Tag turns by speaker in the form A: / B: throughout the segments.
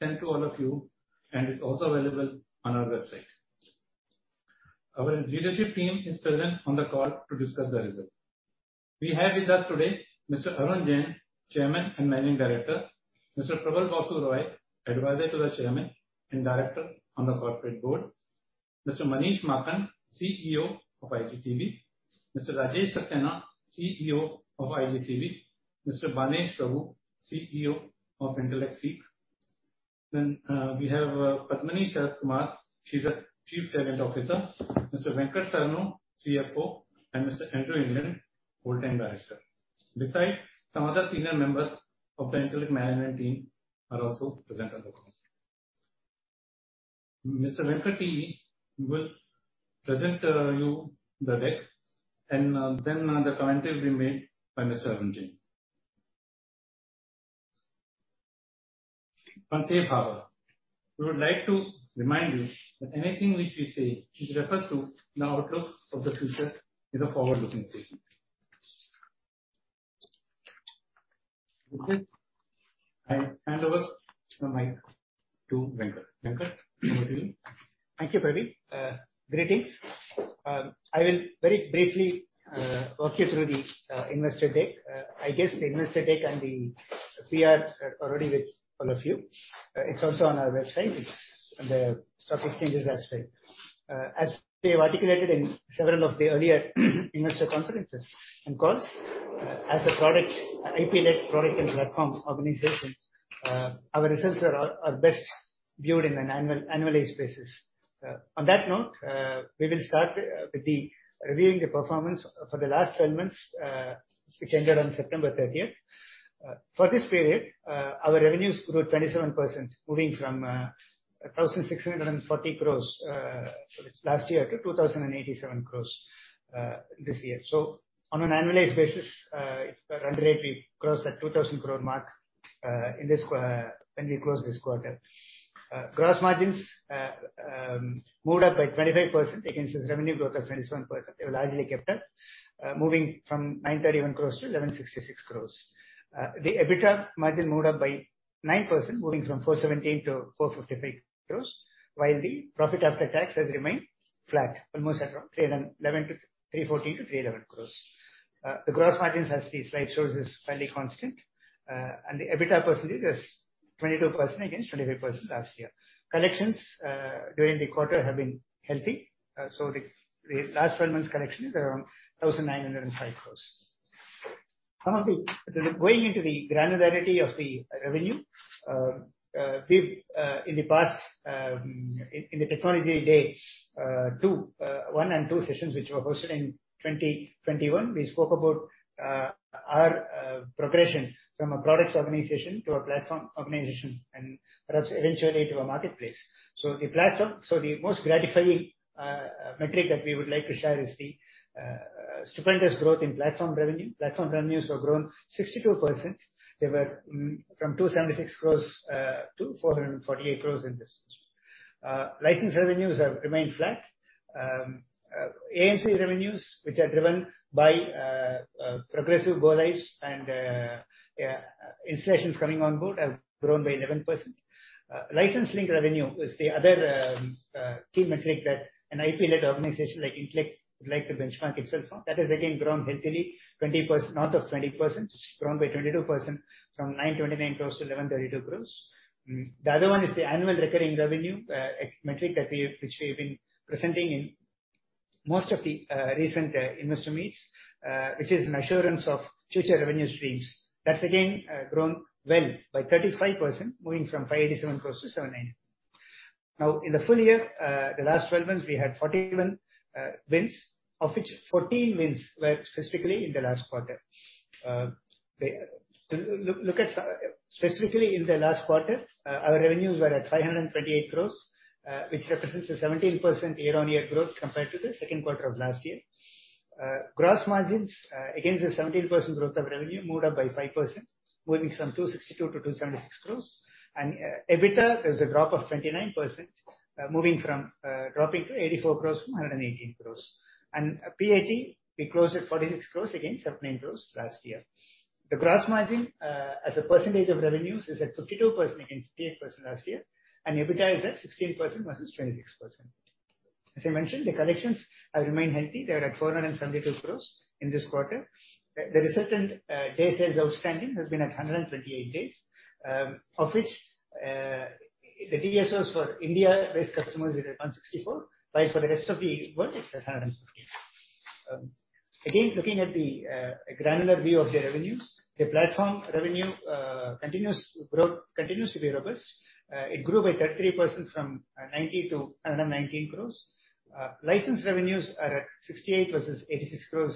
A: Sent to all of you, and it's also available on our website. Our leadership team is present on the call to discuss the result. We have with us today Mr. Arun Jain, Chairman and Managing Director. Mr. Prabal Basu Roy, Advisor to the Chairman and Director on the Corporate Board. Mr. Manish Maakan, CEO of iGTB. Mr. Rajesh Saxena, CEO of iGCB. Mr. Banesh Prabhu, CEO of Intellect SEEC. We have Padmini Sharathkumar, Chief Talent Officer. Mr. Venkateswarlu Saranu, CFO, and Mr. Andrew England, Full-Time Director. Besides, some other senior members of the Intellect management team are also present on the call. Mr. Venkat he will present you the deck and then the comments will be made by Mr. Arun Jain. One safe harbor. We would like to remind you that anything which we say, which refers to the outlook of the future, is a forward-looking statement. With this, I hand over the mic to Venkat. Venkat, over to you.
B: Thank you, Praveen. Greetings. I will very briefly walk you through the investor deck. I guess the investor deck and the CR are already with all of you. It's also on our website. It's on the stock exchanges as well. As we articulated in several of the earlier investor conferences and calls, as a product, IP-led product and platform organization, our results are best viewed in an annual, annualized basis. On that note, we will start with the reviewing the performance for the last 12 months, which ended on September 30th. For this period, our revenues grew 27%, moving from 1,640 crores last year to 2,087 crores this year. On an annualized basis, it's a run rate we crossed the 2,000 crore mark in this quarter when we closed this quarter. Gross margins moved up by 25% against this revenue growth of 27%. They were largely kept up, moving from 931 crore to 1,166 crore. The EBITDA margin moved up by 9%, moving from 478 crore to 455 crore, while the profit after tax has remained flat, almost at around 311 crore to 314 crore to 311 crore. The growth margins as the slide shows is fairly constant. The EBITDA percentage is 22% against 25% last year. Collections during the quarter have been healthy. The last 12 months collection is around 1,905 crore. Some of the, going into the granularity of the revenue, we've, in the past, in the technology days, two, one and two sessions which were hosted in 2021, we spoke about our progression from a products organization to a platform organization and perhaps eventually to a marketplace. The most gratifying metric that we would like to share is the stupendous growth in platform revenue. Platform revenues have grown 62%. They were from 276 crores-448 crores in this. License revenues have remained flat. AMC revenues, which are driven by progressive go-lives and installations coming on board, have grown by 11%. License link revenue is the other key metric that an IP-led organization like Intellect would like to benchmark itself on. That has again grown healthily, 20%, north of 20%. It's grown by 22% from 929 crores to 1,132 crores. The other one is the annual recurring revenue metric that we, which we've been presenting in most of the recent investor meets, which is an assurance of future revenue streams. That's again grown well by 35%, moving from 587 crores to 790 crores. Now, in the full year, the last 12 months, we had 41 wins, of which 14 wins were specifically in the last quarter. They look at specifically in the last quarter, our revenues were at 528 crore, which represents a 17% year-on-year growth compared to the second quarter of last year. Gross margins against the 17% growth of revenue moved up by 5%, moving from 262 crore to 276 crore. EBITDA is a drop of 29%, dropping to 84 crore from 118 crore. PAT, we closed at 46 crore against 38 crore last year. The gross margin as a percentage of revenues is at 52% against 58% last year, and EBITDA is at 16% versus 26%. As I mentioned, the collections have remained healthy. They are at 472 crore in this quarter. The recent day sales outstanding has been at 128 days, of which the DSOs for India-based customers is at 164, while for the rest of the world it's at 150. Again, looking at the granular view of the revenues, the platform revenue continues to be robust. It grew by 33% from 90 crore to 119 crore. License revenues are at 68 crore versus 86 crore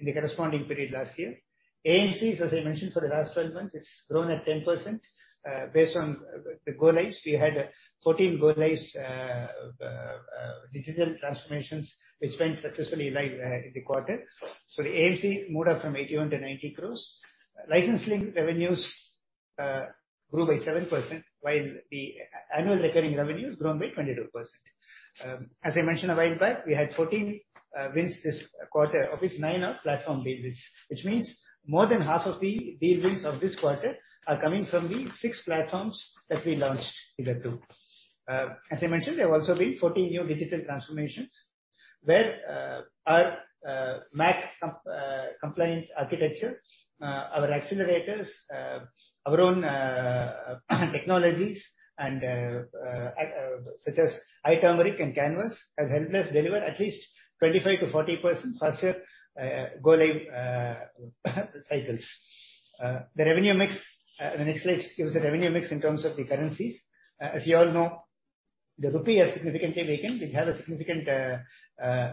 B: in the corresponding period last year. AMCs, as I mentioned, for the last 12 months, it's grown at 10%, based on the go lives. We had 14 go lives, digital transformations, which went successfully live in the quarter. The AMC moved up from 81 crore to 90 crore. License link revenues grew by 7%, while the annual recurring revenue has grown by 22%. As I mentioned a while back, we had 14 wins this quarter, of which nine are platform wins. Which means more than half of the deal wins of this quarter are coming from the six platforms that we launched in the group. As I mentioned, there have also been 14 new digital transformations where our MACH compliant architecture, our accelerators, our own technologies and such as iTurmeric and Canvas, have helped us deliver at least 25%-40% faster go live cycles. The revenue mix. The next slide gives the revenue mix in terms of the currencies. As you all know, the rupee has significantly weakened. We've had a significant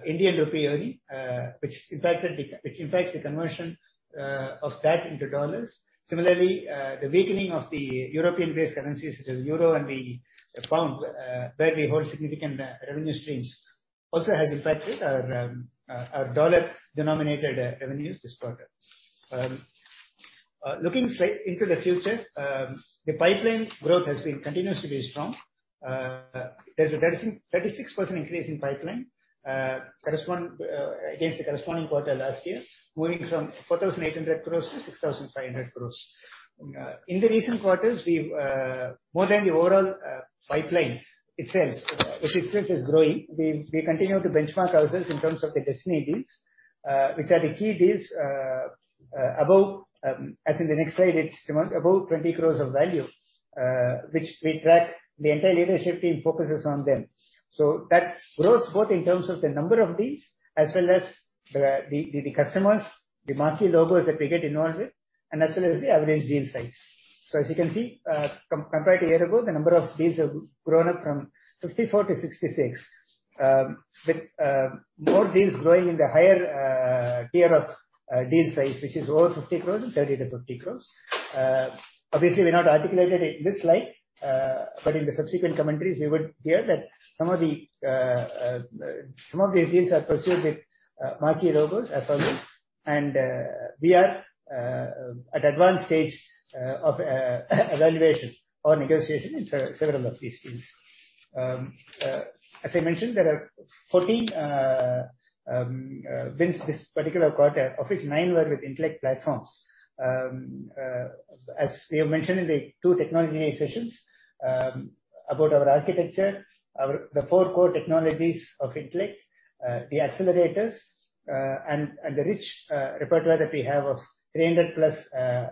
B: Indian rupee earnings, which impacts the conversion of that into dollars. Similarly, the weakening of the European-based currencies such as the euro and the pound, where we hold significant revenue streams, also has impacted our dollar-denominated revenues this quarter. Looking straight into the future, the pipeline growth continues to be strong. There's a 36% increase in pipeline against the corresponding quarter last year, moving from 4,800 crores to 6,500 crores. In the recent quarters, we've more than the overall pipeline itself, which itself is growing, we continue to benchmark ourselves in terms of the Destiny deals, which are the key deals above, as in the next slide, it's above 20 crores of value, which we track. The entire leadership team focuses on them. That grows both in terms of the number of deals as well as the customers, the marquee logos that we get involved with, and as well as the average deal size. As you can see, compared to a year ago, the number of deals have grown up from 54 to 66, with more deals growing in the higher tier of deal size, which is over 50 crores and 30 crores-50 crores. Obviously we're not articulated in this slide, but in the subsequent commentaries we would hear that some of these deals are pursued with marquee logos as always. We are at advanced stage of evaluation or negotiation in several of these deals. As I mentioned, there are 14 wins this particular quarter, of which nine were with Intellect platforms. As we have mentioned in the two technology sessions, about our architecture, the four core technologies of Intellect, the accelerators, and the rich repertoire that we have of 300+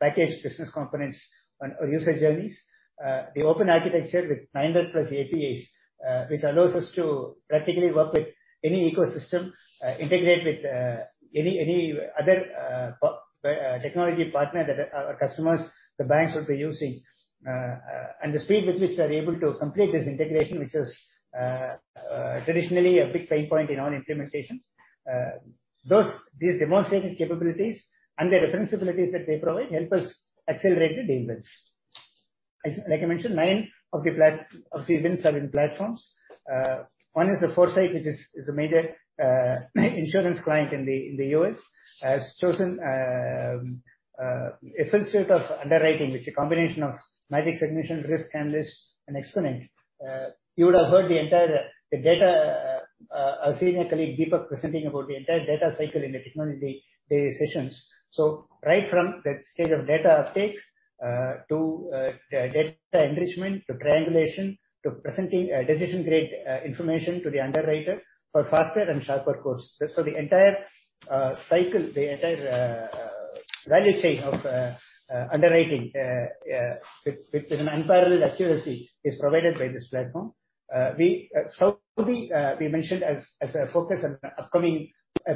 B: packaged business components on our user journeys. The open architecture with 900+ APIs, which allows us to practically work with any ecosystem, integrate with any other technology partner that our customers, the banks, would be using. The speed with which we are able to complete this integration, which is traditionally a big pain point in all implementations. These demonstrated capabilities and the differentiators that they provide help us accelerate the deal wins. Like I mentioned, nine of the wins are in platforms. One is the Foresight, which is a major insurance client in the U.S., has chosen a suite of underwriting, which is a combination of Magic Submission, Risk Analyst and Xponent. You would have heard our senior colleague Deepak presenting about the entire data cycle in the technology day sessions. Right from that stage of data uptake to data enrichment to triangulation to presenting decision-grade information to the underwriter for faster and sharper quotes. The entire cycle, the entire value chain of underwriting with an unparalleled accuracy is provided by this platform. We mentioned Saudi as a focus on upcoming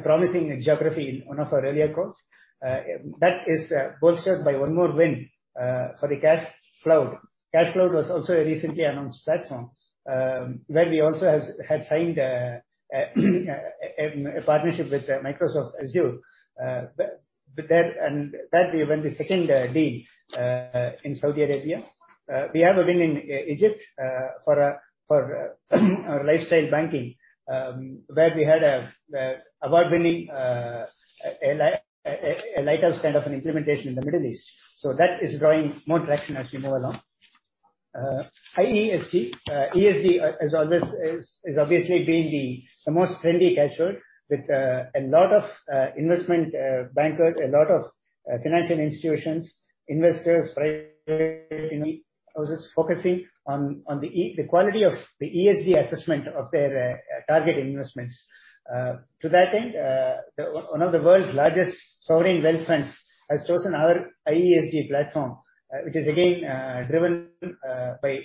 B: promising geography in one of our earlier calls. That is bolstered by one more win for the Cash Cloud. Cash Cloud was also a recently announced platform where we also had signed a partnership with Microsoft Azure. There and that we won the second deal in Saudi Arabia. We have a win in Egypt for our Lifestyle Banking, where we had an award-winning, a lighter stand of an implementation in the Middle East. That is drawing more traction as we move along. iESG, ESG has always been the most trendy catchword with a lot of investment bankers, a lot of financial institutions, investors, right focusing on the quality of the ESG assessment of their target investments. To that end, one of the world's largest sovereign wealth funds has chosen our iESG platform, which is again driven by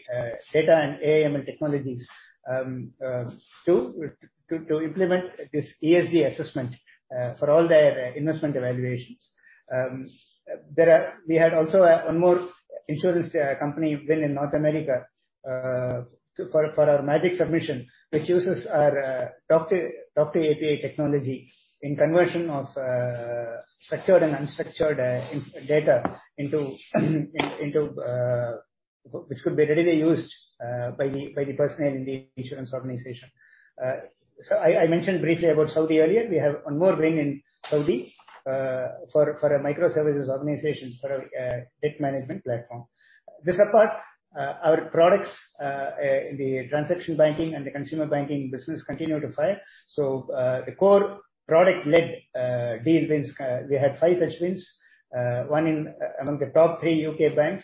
B: data and AML technologies, to implement this ESG assessment for all their investment evaluations. We had also one more insurance company win in North America for our Magic Submission, which uses our Doc2API technology in conversion of structured and unstructured data into which could be readily used by the personnel in the insurance organization. I mentioned briefly about Saudi earlier. We have one more win in Saudi for a microservices organization for a debt management platform. This apart, our products in the transaction banking and the consumer banking business continue to fire. The core product-led deal wins, we had five such wins. One among the top three U.K. banks,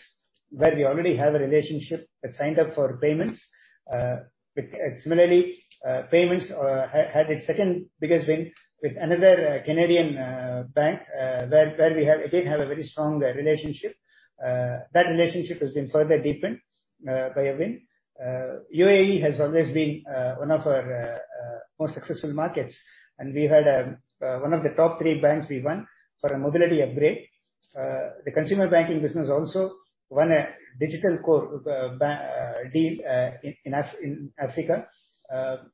B: where we already have a relationship, but signed up for payments. Similarly, payments had its second biggest win with another Canadian bank, where we have again a very strong relationship. That relationship has been further deepened by a win. U.A.E. has always been one of our more successful markets, and we had one of the top three banks we won for a mobility upgrade. The consumer banking business also won a Digital Core deal in Africa.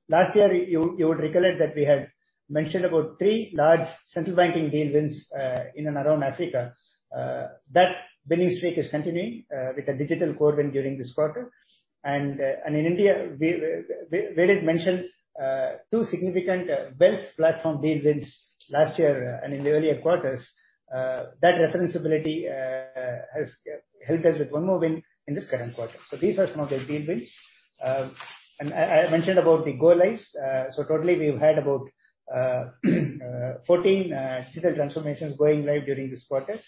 B: Last year, you would recollect that we had mentioned about three large central banking deal wins in and around Africa. That winning streak is continuing with a digital core win during this quarter. In India, we did mention two significant wealth platform deal wins last year and in the earlier quarters. That referenceability has helped us with one more win in this current quarter. These are some of the deal wins. I mentioned about the go lives. Totally, we've had about 14 digital transformations going live during this quarter.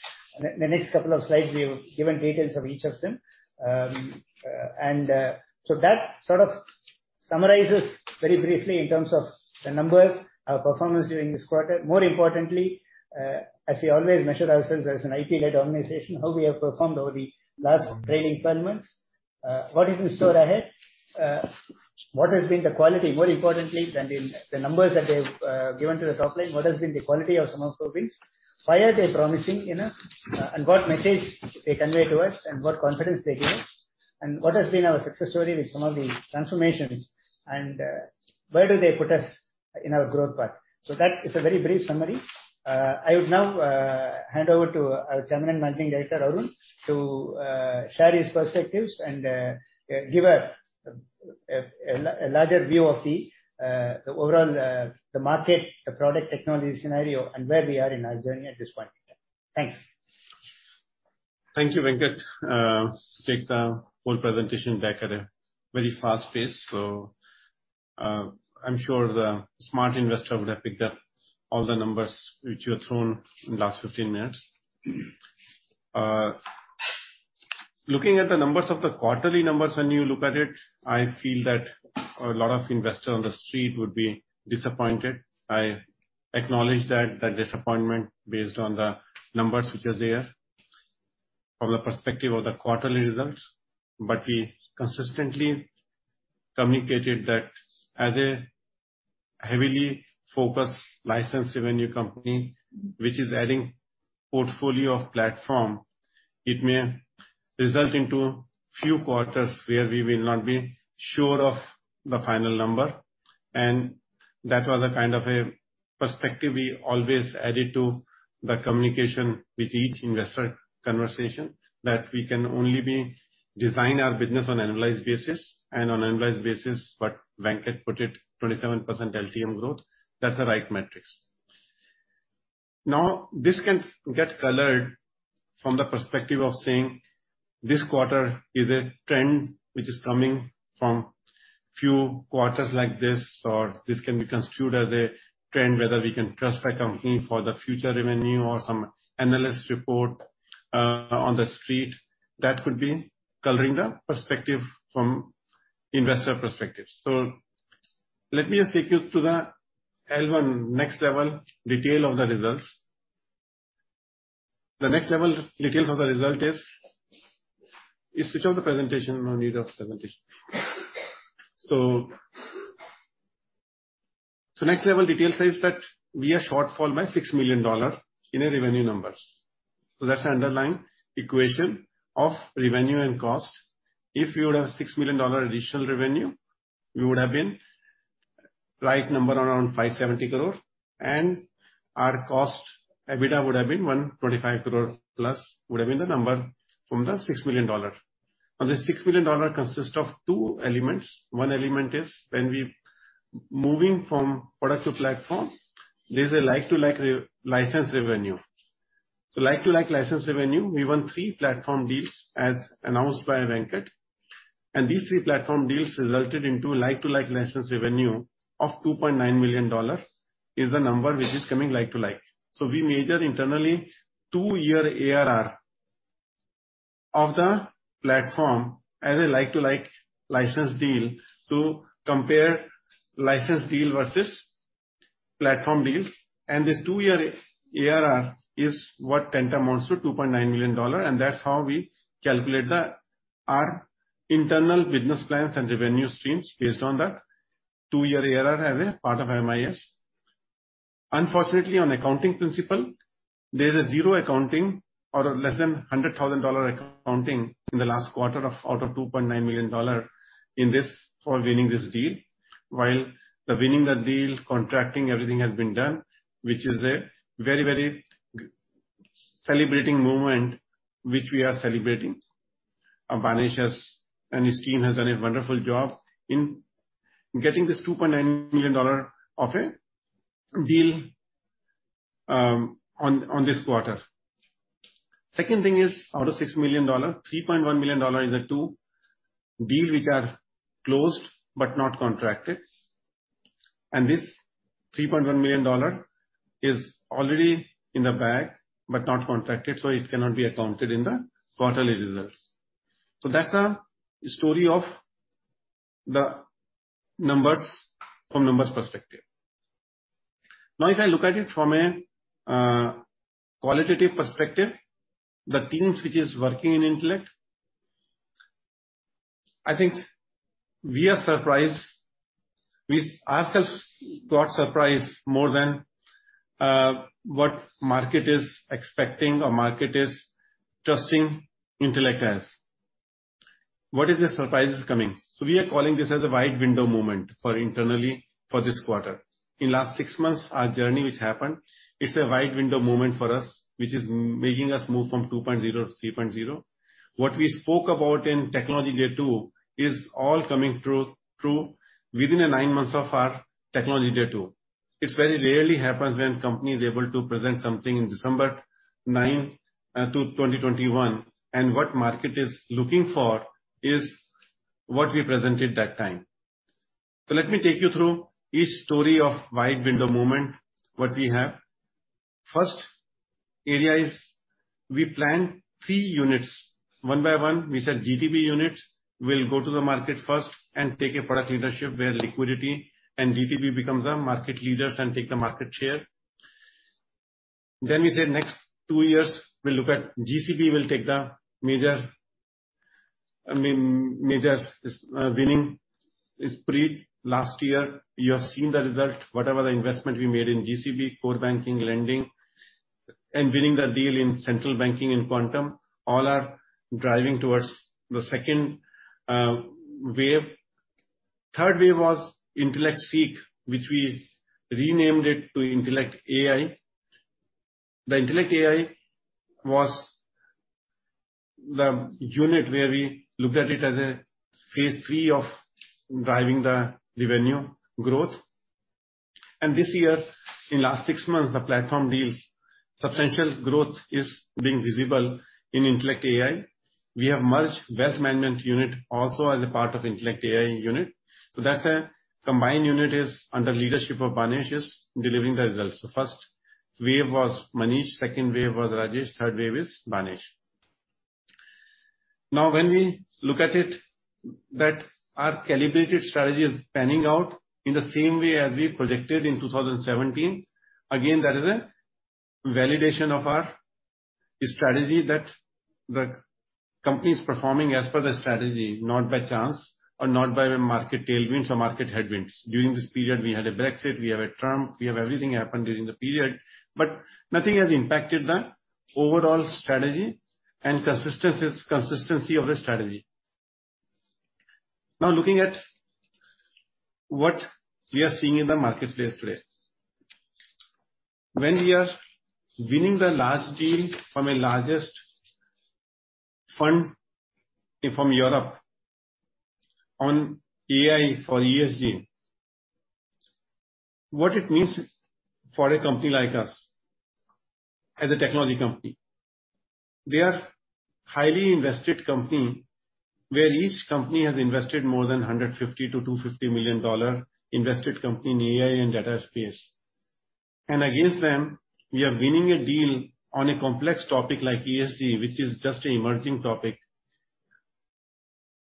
B: In the next couple of slides, we've given details of each of them. That sort of summarizes very briefly in terms of the numbers, our performance during this quarter. More importantly, as we always measure ourselves as an IT-led organization, how we have performed over the last trailing 12 months. What is in store ahead? What has been the quality more importantly than the numbers that we have given to the top line? What has been the quality of some of those wins? Why are they promising enough? And what message they convey to us, and what confidence they give us? And what has been our success story with some of these transformations, and where do they put us in our growth path? That is a very brief summary. I would now hand over to our Chairman and Managing Director, Arun, to share his perspectives and give a larger view of the overall market, the product technology scenario, and where we are in our journey at this point in time. Thanks.
C: Thank you, Venkat. Take the whole presentation back at a very fast pace. I'm sure the smart investor would have picked up all the numbers which you have thrown in the last 15 minutes. Looking at the numbers of the quarterly numbers when you look at it, I feel that a lot of investors on the street would be disappointed. I acknowledge that, the disappointment based on the numbers which is there from the perspective of the quarterly results. We consistently communicated that as a heavily focused license revenue company which is adding portfolio of platform, it may result into few quarters where we will not be sure of the final number. That was a kind of a perspective we always added to the communication with each investor conversation, that we can only design our business on annualized basis, and on annualized basis, what Venkat put it, 27% LTM growth, that's the right metrics. Now, this can get colored from the perspective of saying this quarter is a trend which is coming from few quarters like this, or this can be construed as a trend whether we can trust a company for the future revenue or some analyst report on the street. That could be coloring the perspective from investor perspective. Let me just take you to the level, next level detail of the results. The next level detail of the result is. You switch off the presentation. No need of presentation. Next level detail says that we are shortfall by $6 million in our revenue numbers. That's the underlying equation of revenue and cost. If you would have $6 million additional revenue, we would have been right number around 570 crore, and our cost, EBITDA, would have been 125 crore plus would have been the number from the $6 million. Now, this $6 million consists of two elements. One element is when we're moving from product to platform, there's a like-to-like license revenue. Like-to-like license revenue, we won three platform deals as announced by Venkat. These three platform deals resulted into a like-to-like license revenue of $2.9 million is the number which is coming like to like. We measure internally two-year ARR of the platform as a like-for-like license deal to compare license deal versus platform deals. This two-year ARR is what tantamount to $2.9 million, and that's how we calculate our internal business plans and revenue streams based on that two-year ARR as a part of MIS. Unfortunately, on accounting principle, there is zero accounting or less than $100,000 accounting in the last quarter of, out of $2.9 million in this, for winning this deal. While winning the deal, contracting, everything has been done, which is a very, very great celebrating moment, which we are celebrating. Banesh and his team has done a wonderful job in getting this $2.9 million order deal, on this quarter. Second thing is, out of $6 million, $3.1 million is the two deals which are closed but not contracted. This $3.1 million is already in the bag, but not contracted, so it cannot be accounted in the quarterly results. That's the story of the numbers from numbers perspective. Now, if I look at it from a qualitative perspective, the teams which is working in Intellect, I think we are surprised. We ourselves got surprised more than what market is expecting or market is trusting Intellect as. What is the surprises coming? We are calling this as a white window moment for internally for this quarter. In last six months, our journey which happened, it's a white window moment for us, which is making us move from 2.0 to 3.0. What we spoke about in Technology Day 2 is all coming true within the nine months of our Technology Day 2. It very rarely happens when company is able to present something in December 9, 2021, and what market is looking for is what we presented that time. Let me take you through each story of white window moment, what we have. First area is we planned three units, one by one. We said GTB unit will go to the market first and take a product leadership where liquidity and GTB becomes the market leaders and take the market share. We said next two years, we'll look at GCB will take the major. I mean, major winning spree last year. You have seen the result, whatever the investment we made in GCB, core banking, lending and winning the deal in central banking in Quantum, all are driving towards the second wave. Third wave was Intellect SEEC, which we renamed it to IntellectAI. The IntellectAI was the unit where we looked at it as a phase three of driving the revenue growth. This year, in last six months, the platform deals substantial growth is being visible in IntellectAI. We have merged wealth management unit also as a part of IntellectAI unit. So that's a combined unit is under leadership of Banesh is delivering the results. The first wave was Manish, second wave was Rajesh, third wave is Banesh. Now when we look at it that our calibrated strategy is panning out in the same way as we projected in 2017, again, that is a validation of our strategy that the company is performing as per the strategy, not by chance or not by the market tailwinds or market headwinds. During this period we had a Brexit, we have a Trump, we have everything happened during the period, but nothing has impacted the overall strategy and consistency of the strategy. Now, looking at what we are seeing in the marketplace today. When we are winning the large deal from a largest fund and from Europe on AI for ESG, what it means for a company like us as a technology company? They are highly invested company, where each company has invested more than $150 million-$250 million in AI and data space. Against them, we are winning a deal on a complex topic like ESG, which is just an emerging topic.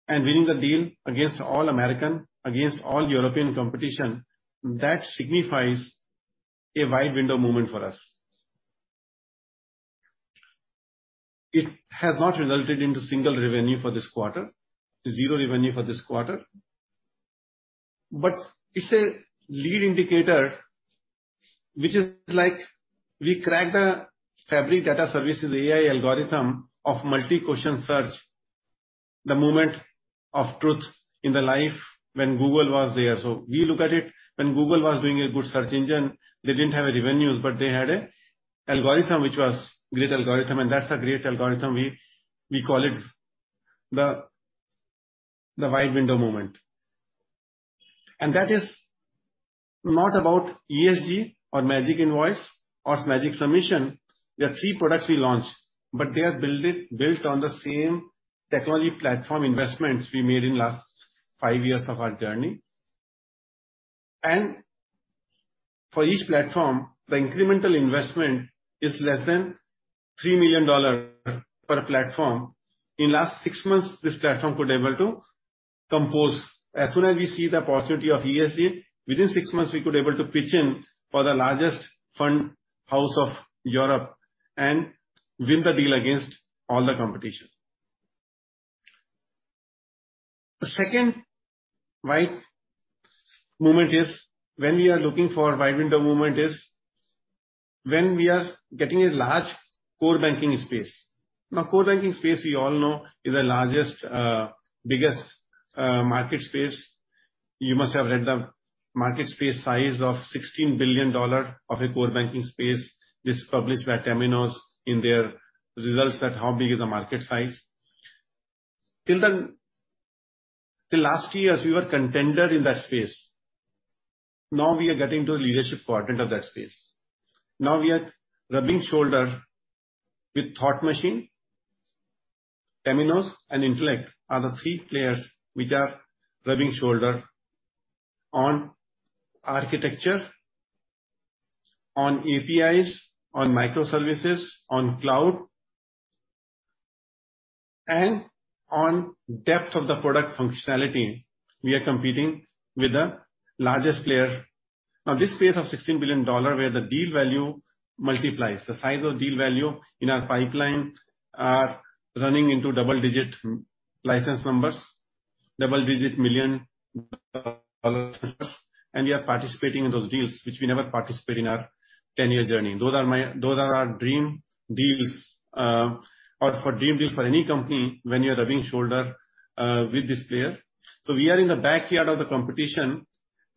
C: Winning the deal against all American, against all European competition, that signifies a white window moment for us. It has not resulted into single revenue for this quarter, zero revenue for this quarter. It's a lead indicator which is like we crack the Fabric Data Services AI algorithm of multi-question search, the moment of truth in the life when Google was there. We look at it when Google was doing a good search engine, they didn't have revenues, but they had an algorithm which was a great algorithm, and that's a great algorithm. We call it the white window moment. That is not about ESG or Magic Invoice or Magic Submission. They are three products we launched, but they are built on the same technology platform investments we made in last five years of our journey. For each platform, the incremental investment is less than $3 million per platform. In last six months, this platform could able to compose. As soon as we see the possibility of ESG, within six months we could able to pitch in for the largest fund house of Europe and win the deal against all the competition. The second white window moment is when we are getting a large core banking space. Now, core banking space, we all know is the largest, biggest, market space. You must have read the market space size of $16 billion of a core banking space. This is published by Temenos in their results that how big is the market size. Till last year, as we were contender in that space, now we are getting to a leadership quadrant of that space. Now we are rubbing shoulders with Thought Machine. Temenos and Intellect are the three players which are rubbing shoulders on architecture, on APIs, on microservices, on cloud, and on depth of the product functionality. We are competing with the largest player. Now, this space of $16 billion where the deal value multiplies. The size of deal value in our pipeline are running into double-digit license numbers, double-digit million dollars. We are participating in those deals, which we never participate in our 10-year journey. Those are our dream deals, or dream deals for any company when you're rubbing shoulders with this player. We are in the backyard of the competition.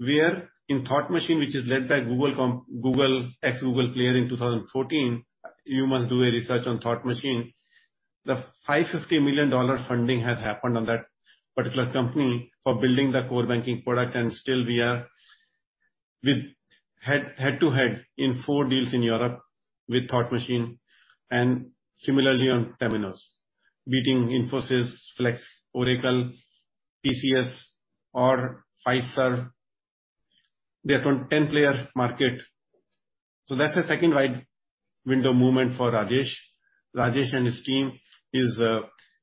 C: We are in Thought Machine, which is led by Google, ex-Google player in 2014. You must do a research on Thought Machine. The $550 million funding has happened on that particular company for building the core banking product, and still we are with head to head in four deals in Europe with Thought Machine and similarly on Temenos, beating Infosys, Flex, Oracle, TCS or Fiserv. They are 10-player market. That's the second white window moment for Rajesh. Rajesh and his team is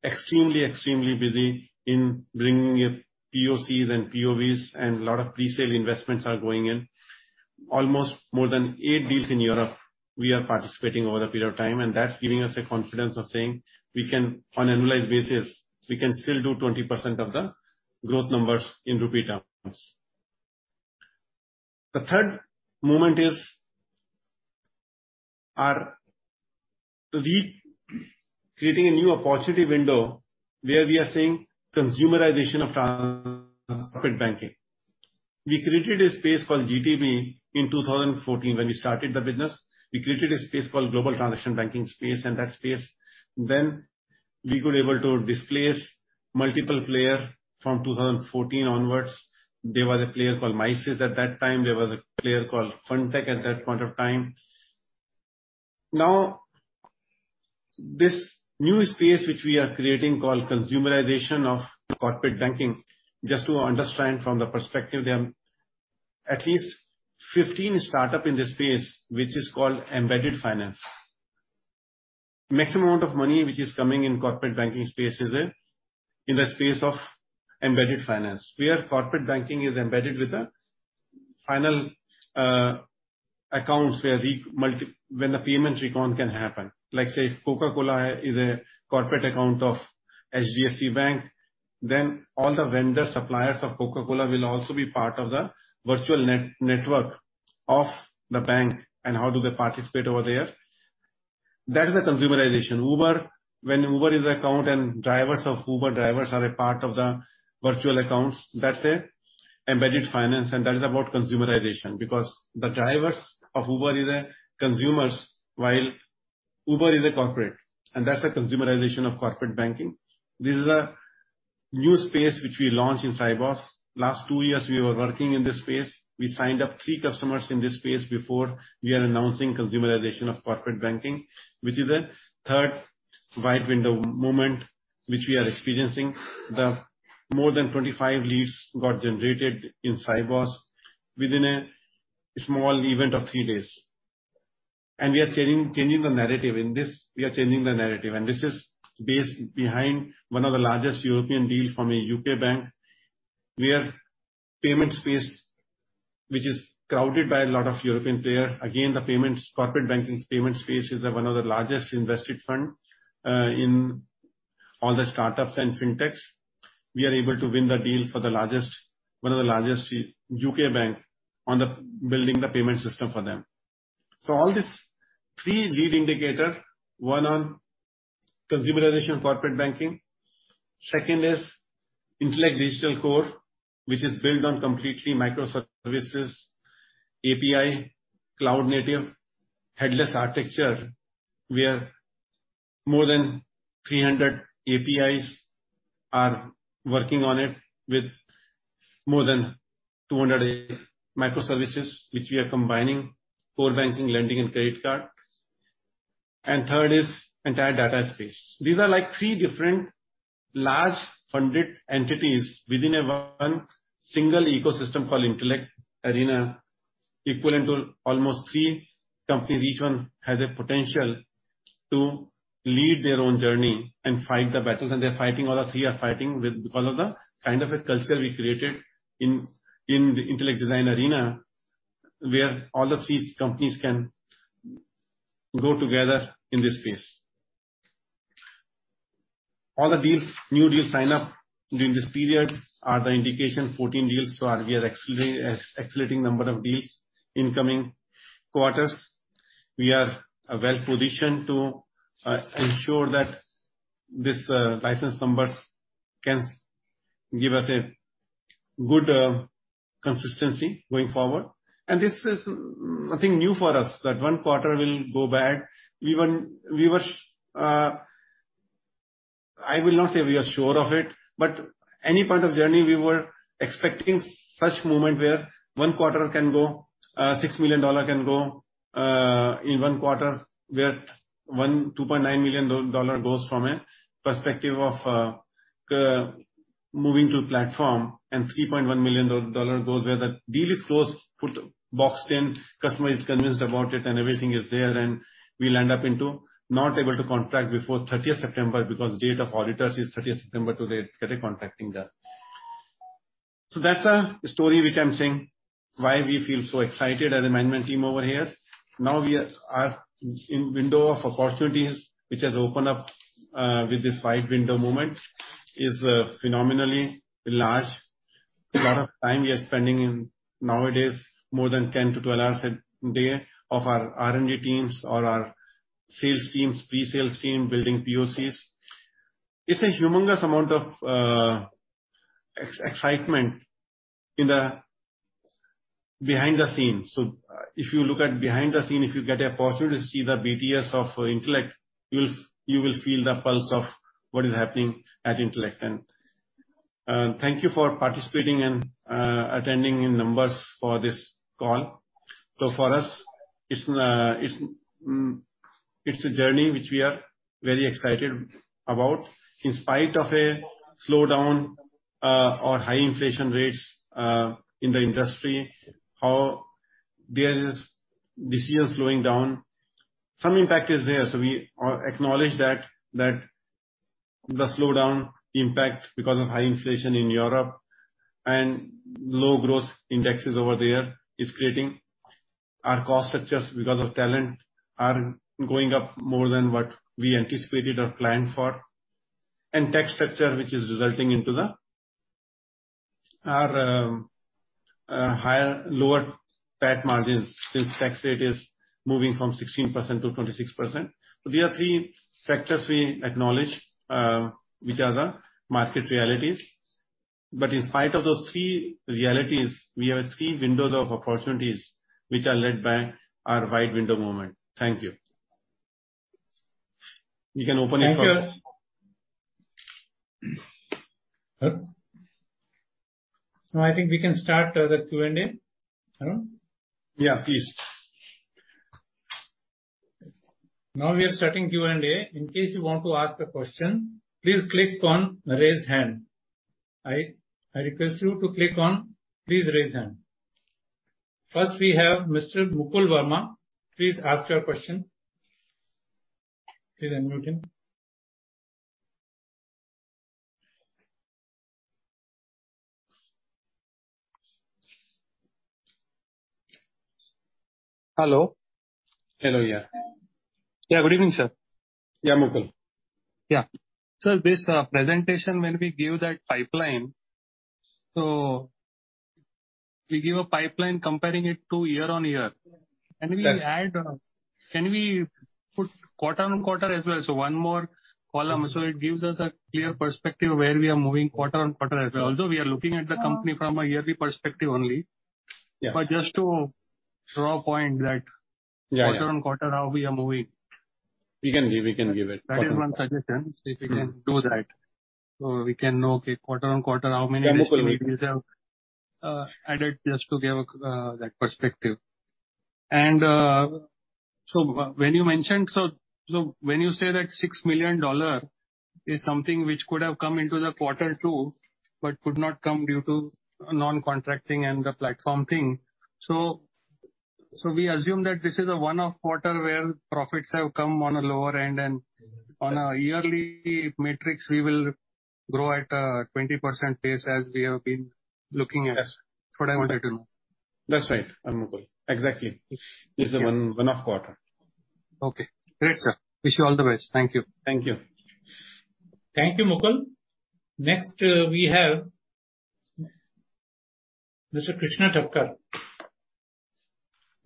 C: extremely busy in bringing in POCs and POVs and lot of presale investments are going in. Almost more than eight deals in Europe we are participating over a period of time, and that's giving us the confidence of saying we can, on annualized basis, we can still do 20% of the growth numbers in rupee terms. The third moment is our recreating a new opportunity window where we are seeing consumerization of corporate banking. We created a space called GTB in 2014 when we started the business. We created a space called Global Transaction Banking space. Then we were able to displace multiple player from 2014 onwards. There was a player called Misys at that time. There was a player called Fundtech at that point of time. This new space which we are creating called consumerization of corporate banking, just to understand from the perspective, there are at least 15 startups in this space, which is called embedded finance. Maximum amount of money which is coming in corporate banking space is in the space of embedded finance, where corporate banking is embedded with the financial accounts where when the payment recon can happen. Like, say, if Coca-Cola is a corporate account of HDFC Bank, then all the vendor suppliers of Coca-Cola will also be part of the virtual network of the bank and how do they participate over there. That is the consumerization. Uber, when Uber is account and drivers of Uber drivers are a part of the virtual accounts, that's embedded finance, and that is about consumerization. Because the drivers of Uber is a consumers, while Uber is a corporate, and that's a consumerization of corporate banking. This is a new space which we launched in Sibos. Last two years, we were working in this space. We signed up three customers in this space before we are announcing consumerization of corporate banking, which is a third white window moment which we are experiencing. More than 25 leads got generated in Sibos within a small event of three days. We are changing the narrative. In this, we are changing the narrative, and this is based behind one of the largest European deal from a U.K. bank. We are payment space, which is crowded by a lot of European player. Again, the payments, corporate banking's payment space is one of the largest invested fund in all the startups and fintechs. We are able to win the deal for the largest, one of the largest U.K. bank on building the payment system for them. All these three lead indicators, one on consumerization of corporate banking. Second is Intellect Digital Core, which is built on completely microservices, API, cloud native, headless architecture, where more than 300 APIs are working on it with more than 280 microservices, which we are combining, core banking, lending and credit card. Third is entire data space. These are like three different large funded entities within one single ecosystem called Intellect Arena, equivalent to almost three companies. Each one has a potential to lead their own journey and fight the battles. They're fighting, all the three are fighting with all of the kind of a culture we created in the Intellect Design Arena, where all the three companies can go together in this space. All the deals, new deals signed up during this period are the indication 14 deals. We are accelerating number of deals in coming quarters. We are well-positioned to ensure that this license numbers can give us a good consistency going forward. This is nothing new for us, that one quarter will go bad. Even we were. I will not say we are sure of it, but any part of journey we were expecting such moment where one quarter can go $6 million in one quarter where $2.9 million goes from a perspective of moving to platform and $3.1 million goes where the deal is closed, put boxed in, customer is convinced about it and everything is there and we land up into not able to contract before 30th September because date of auditors is 30th September to get a contract in there. That's the story which I'm saying why we feel so excited as a management team over here. Now we are in window of opportunities which has opened up with this white window moment is phenomenally large. A lot of time we are spending nowadays, more than 10 to 12 hours a day of our R&D teams or our sales teams, pre-sales team building POCs. It's a humongous amount of excitement behind the scenes. If you look behind the scenes, if you get an opportunity to see the BTS of Intellect, you will feel the pulse of what is happening at Intellect. Thank you for participating and attending in numbers for this call. For us, it's a journey which we are very excited about in spite of a slowdown or high inflation rates in the industry. However, there is this year slowing down. Some impact is there, so we acknowledge that the slowdown impact because of high inflation in Europe and low growth indexes over there is creating our cost structures because of talent are going up more than what we anticipated or planned for. Tax structure which is resulting into the our lower PAT margins since tax rate is moving from 16% to 26%. These are three factors we acknowledge which are the market realities. In spite of those three realities, we have three windows of opportunities which are led by our white window moment. Thank you. We can open it for-
A: Thank you, sir. Now, I think we can start the Q&A. No?
C: Yeah, please.
A: Now we are starting Q&A. In case you want to ask a question, please click on Raise Hand. I request you to click on please Raise Hand. First we have Mr. Mukul Verma. Please ask your question. Please unmute him.
D: Hello.
C: Hello, yeah.
D: Yeah. Good evening, sir.
C: Yeah, Mukul.
D: This presentation, when we give that pipeline, we give a pipeline comparing it to year-on-year.
C: Yes.
D: Can we add, can we put quarter-on-quarter as well as so one more column so it gives us a clear perspective where we are moving quarter-on-quarter as well? Although we are looking at the company from a yearly perspective only.
C: Yeah.
D: Just to drive the point that.
C: Yeah.
D: Quarter-over-quarter, how we are moving.
C: We can give it.
D: That is one suggestion, if we can do that. We can know, okay, quarter-over-quarter, how many-
C: Yeah, Mukul.
D: Additional deals you have added just to give that perspective. When you say that $6 million is something which could have come into the quarter two but could not come due to non-contracting and the platform thing. We assume that this is a one-off quarter where profits have come on a lower end and on a yearly metrics, we will grow at a 20% pace as we have been looking at.
C: Yes.
D: That's what I wanted to know.
C: That's right, Mukul. Exactly.
D: Thank you.
C: It's a one-off quarter.
D: Okay. Great, sir. Wish you all the best. Thank you.
C: Thank you.
A: Thank you, Mukul. Next, we have Mr. Krishna Thakker.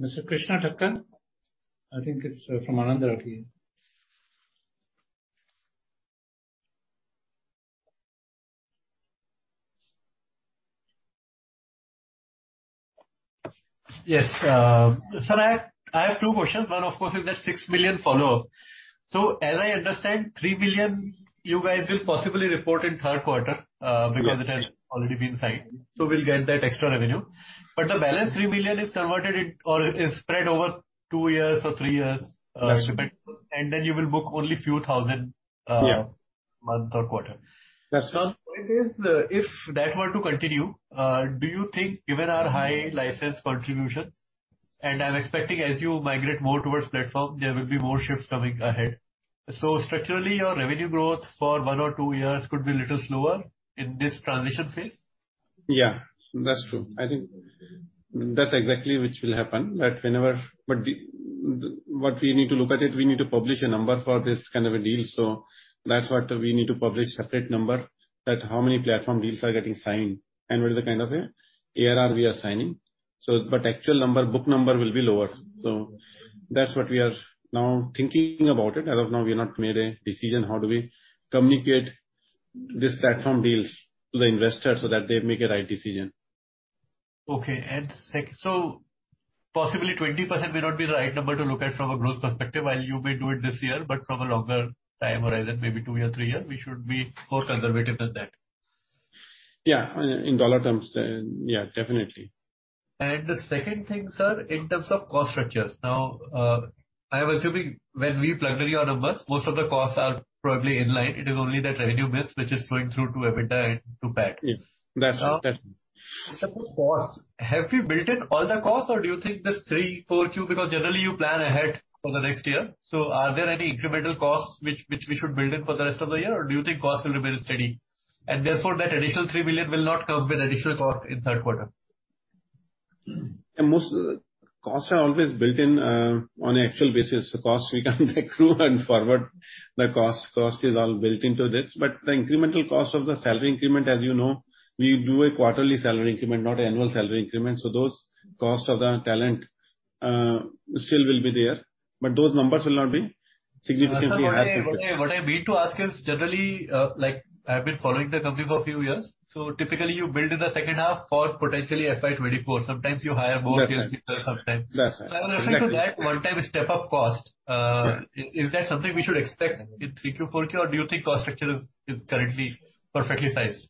A: Mr. Krishna Thakker? I think it's from Anand Rathi.
E: Yes. Sir, I have two questions. One of course is that $6 million follow-up. As I understand, $3 million you guys will possibly report in third quarter.
C: Yeah.
E: Because it has already been signed. We'll get that extra revenue. The balance $3 million is converted into or is spread over two years or three years.
C: That's right.
E: You will book only few thousand.
C: Yeah.
E: Month or quarter.
C: That's right.
E: Now, point is, if that were to continue, do you think given our high license contributions, and I'm expecting as you migrate more towards platform, there will be more shifts coming ahead. Structurally, your revenue growth for one or two years could be a little slower in this transition phase?
C: Yeah, that's true. I think that's exactly which will happen, that whenever. What we need to look at it, we need to publish a number for this kind of a deal. That's what we need to publish separate number, that how many platform deals are getting signed and what is the kind of ARR we are signing. Actual number, book number will be lower. That's what we are now thinking about it. As of now, we've not made a decision how do we communicate this platform deals to the investors so that they make a right decision.
E: Okay. Possibly 20% may not be the right number to look at from a growth perspective while you may do it this year, but from a longer time horizon, maybe two or three years, we should be more conservative than that.
C: Yeah. In dollar terms then, yeah, definitely.
E: The second thing, sir, in terms of cost structures. Now, I am assuming when we plugged the numbers, most of the costs are probably in line. It is only the revenue miss which is flowing through to EBITDA and to PAT.
C: Yes. That's it. That's it.
E: Sir, for cost, have you built in all the costs or do you think this 3, 4Q because generally you plan ahead for the next year. Are there any incremental costs which we should build in for the rest of the year or do you think costs will remain steady and therefore that additional $3 million will not come with additional cost in third quarter?
C: Most of the costs are always built in on actual basis. The costs we can't take through and forward the cost. Cost is all built into this. The incremental cost of the salary increment, as you know, we do a quarterly salary increment, not annual salary increment. Those costs of the talent still will be there, but those numbers will not be significantly impacted.
E: Sir, what I mean to ask is generally, like I've been following the company for a few years, so typically you build in the second half for potentially FY 2024. Sometimes you hire more sales people-
C: Yes, yes.
E: -sometimes.
C: Yes, yes. Exactly.
E: I was referring to that one time step-up cost.
C: Yeah.
E: Is that something we should expect in 3Q, 4Q or do you think cost structure is currently perfectly sized?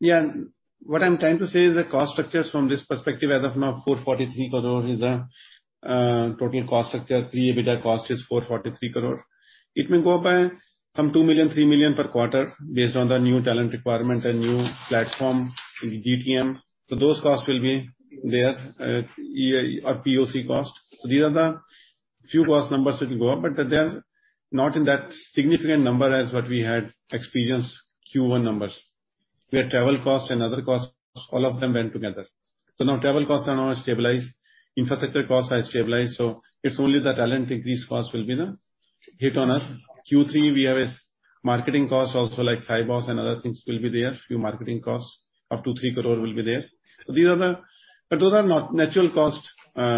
C: Yeah. What I'm trying to say is the cost structures from this perspective as of now, 443 crore is total cost structure. Pre-EBITDA cost is 443 crore. It may go up by some 2 million, 3 million per quarter based on the new talent requirement and new platform in GTM. Those costs will be there, EA or POC cost. These are the few cost numbers which will go up, but they're not in that significant number as what we had experienced Q1 numbers, where travel costs and other costs, all of them went together. Now travel costs are stabilized, infrastructure costs are stabilized, so it's only the talent increase cost will be the hit on us. Q3 we have a marketing cost also like Sibos and other things will be there. Few marketing costs, up to 3 crore will be there. Those are natural costs,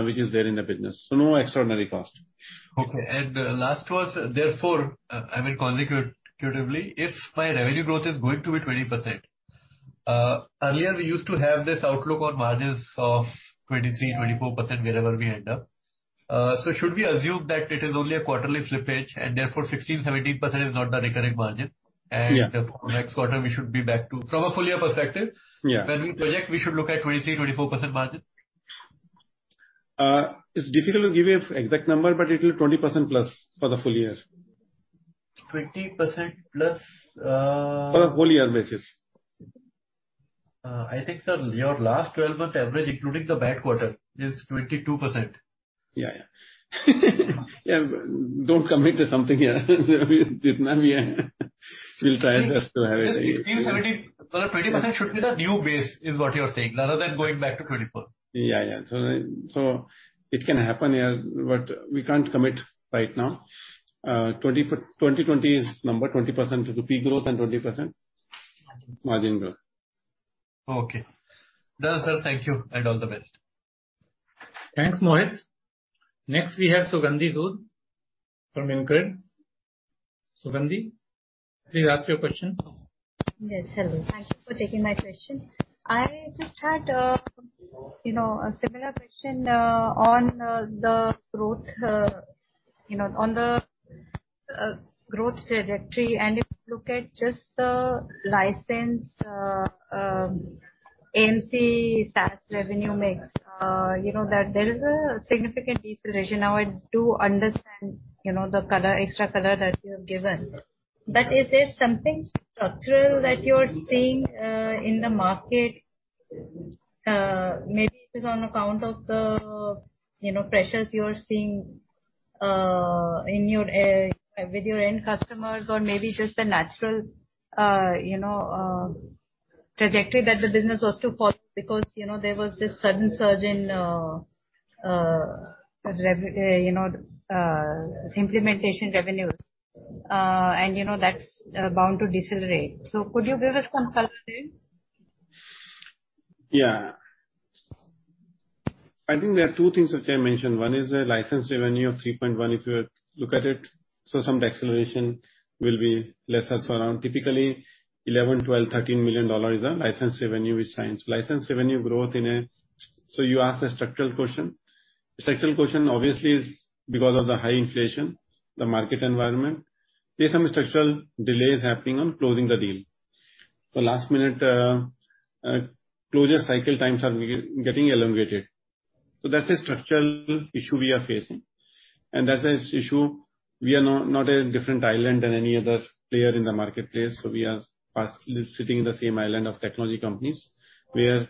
C: which is there in the business, so no extraordinary cost.
E: Okay. Lastly, therefore, I mean, consecutively, if my revenue growth is going to be 20%, earlier we used to have this outlook on margins of 23%-24% wherever we end up. So should we assume that it is only a quarterly slippage and therefore 16%-17% is not the recurring margin?
C: Yeah.
E: Next quarter we should be back to. From a full year perspective.
C: Yeah.
E: When we project, we should look at 23%-24% margin?
C: It's difficult to give you an exact number, but it will be 20%+ for the full year.
E: 20%+,
C: For the full year basis.
E: I think, sir, your last 12-month average, including the bad quarter, is 22%.
C: Yeah. Don't commit to something here. We'll try our best to have it.
E: This 16%-17% or 20% should be the new base, is what you're saying, rather than going back to 24%.
C: Yeah. It can happen, yeah, but we can't commit right now. 20 is number, 20% is the PAT growth and 20% margin growth.
E: Okay. Done, sir. Thank you and all the best.
A: Thanks, Thakker. Next we have Sugandhi Sud from InCred. Sugandhi, please ask your question.
F: Yes. Hello. Thank you for taking my question. I just had a similar question on the growth, you know, on the growth trajectory. If you look at just the license AMC, SaaS revenue mix, you know that there is a significant deceleration. Now, I do understand, you know, the color, extra color that you have given. Is there something structural that you're seeing in the market? Maybe it is on account of the, you know, pressures you're seeing with your end customers or maybe just a natural, you know, trajectory that the business was to follow because, you know, there was this sudden surge in, you know, implementation revenue, and you know, that's bound to decelerate. Could you give us some color there?
C: I think there are two things which I mentioned. One is the license revenue of $3.1 million if you look at it. Some deceleration will be less or so around. Typically, $11 million-$13 million is the license revenue with SaaS. License revenue growth. You asked a structural question. Structural question obviously is because of the high inflation, the market environment. There are some structural delays happening on closing the deal. Last minute, closure cycle times are getting elongated. That is a structural issue we are facing. That is an issue, we are not a different island than any other player in the marketplace. We are sitting in the same island of technology companies where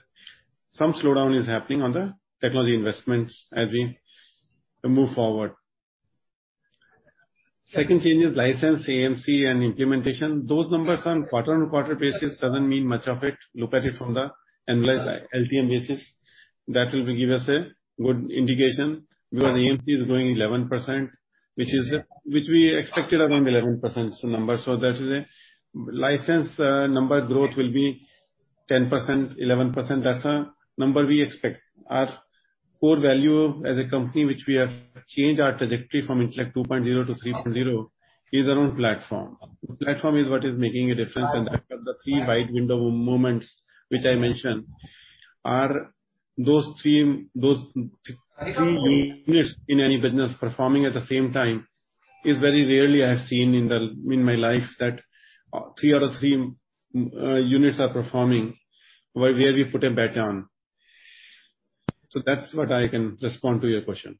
C: some slowdown is happening on the technology investments as we move forward. Second thing is license, AMC and implementation. Those numbers on quarter-on-quarter basis doesn't mean much of it. Look at it from the annual LTM basis. That will give us a good indication. Where our AMC is growing 11%, which we expected around 11% number. So that is a license number growth will be 10%, 11%. That's the number we expect. Our core value as a company, which we have changed our trajectory from Intellect 2.0 to 3.0, is around platform. Platform is what is making a difference. The three white window moments which I mentioned are those three units in any business performing at the same time is very rarely I've seen in my life that three out of three units are performing where we put a bet on. That's what I can respond to your question.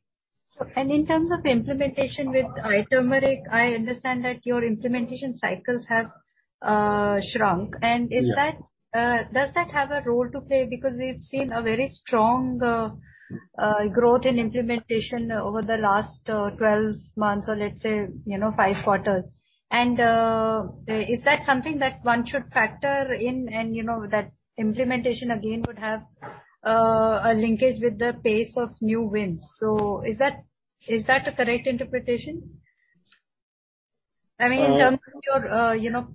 F: In terms of implementation with iTurmeric, I understand that your implementation cycles have shrunk.
C: Yeah.
F: Does that have a role to play? Because we've seen a very strong growth in implementation over the last 12 months or let's say, you know, five quarters. Is that something that one should factor in and, you know, that implementation again would have a linkage with the pace of new wins. Is that a correct interpretation? I mean, in terms of your, you know,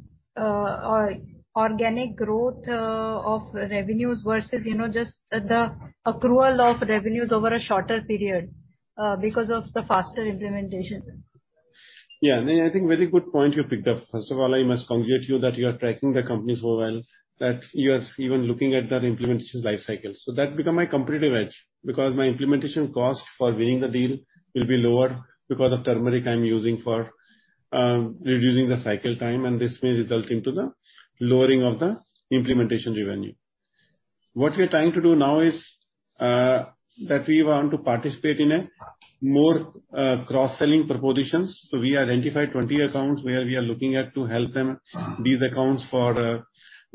F: organic growth of revenues versus, you know, just the accrual of revenues over a shorter period because of the faster implementation.
C: Yeah. I mean, I think very good point you picked up. First of all, I must congratulate you that you are tracking the company so well, that you are even looking at that implementation life cycle. That become my competitive edge because my implementation cost for winning the deal will be lower because of iTurmeric I'm using for reducing the cycle time, and this may result into the lowering of the implementation revenue. What we are trying to do now is that we want to participate in a more cross-selling propositions. We identified 20 accounts where we are looking at to help them bid accounts for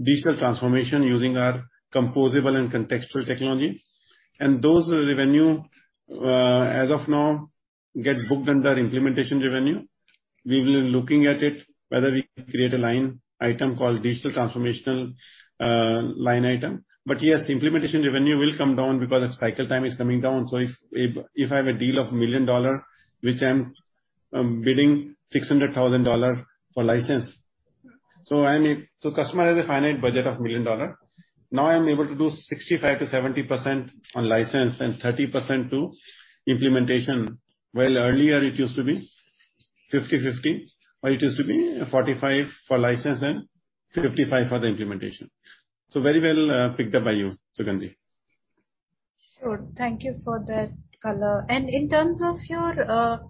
C: digital transformation using our composable and contextual technology. Those revenue as of now get booked under implementation revenue. We will be looking at it whether we create a line item called digital transformation line item. Yes, implementation revenue will come down because its cycle time is coming down. If I have a deal of $1 million, which I'm bidding $600,000 for license. Customer has a finite budget of $1 million. Now I'm able to do 65%-70% on license and 30% to implementation, while earlier it used to be 50/50, or it used to be 45 for license and 55 for the implementation. Very well picked up by you, Sugandhi.
F: Sure. Thank you for that color. In terms of your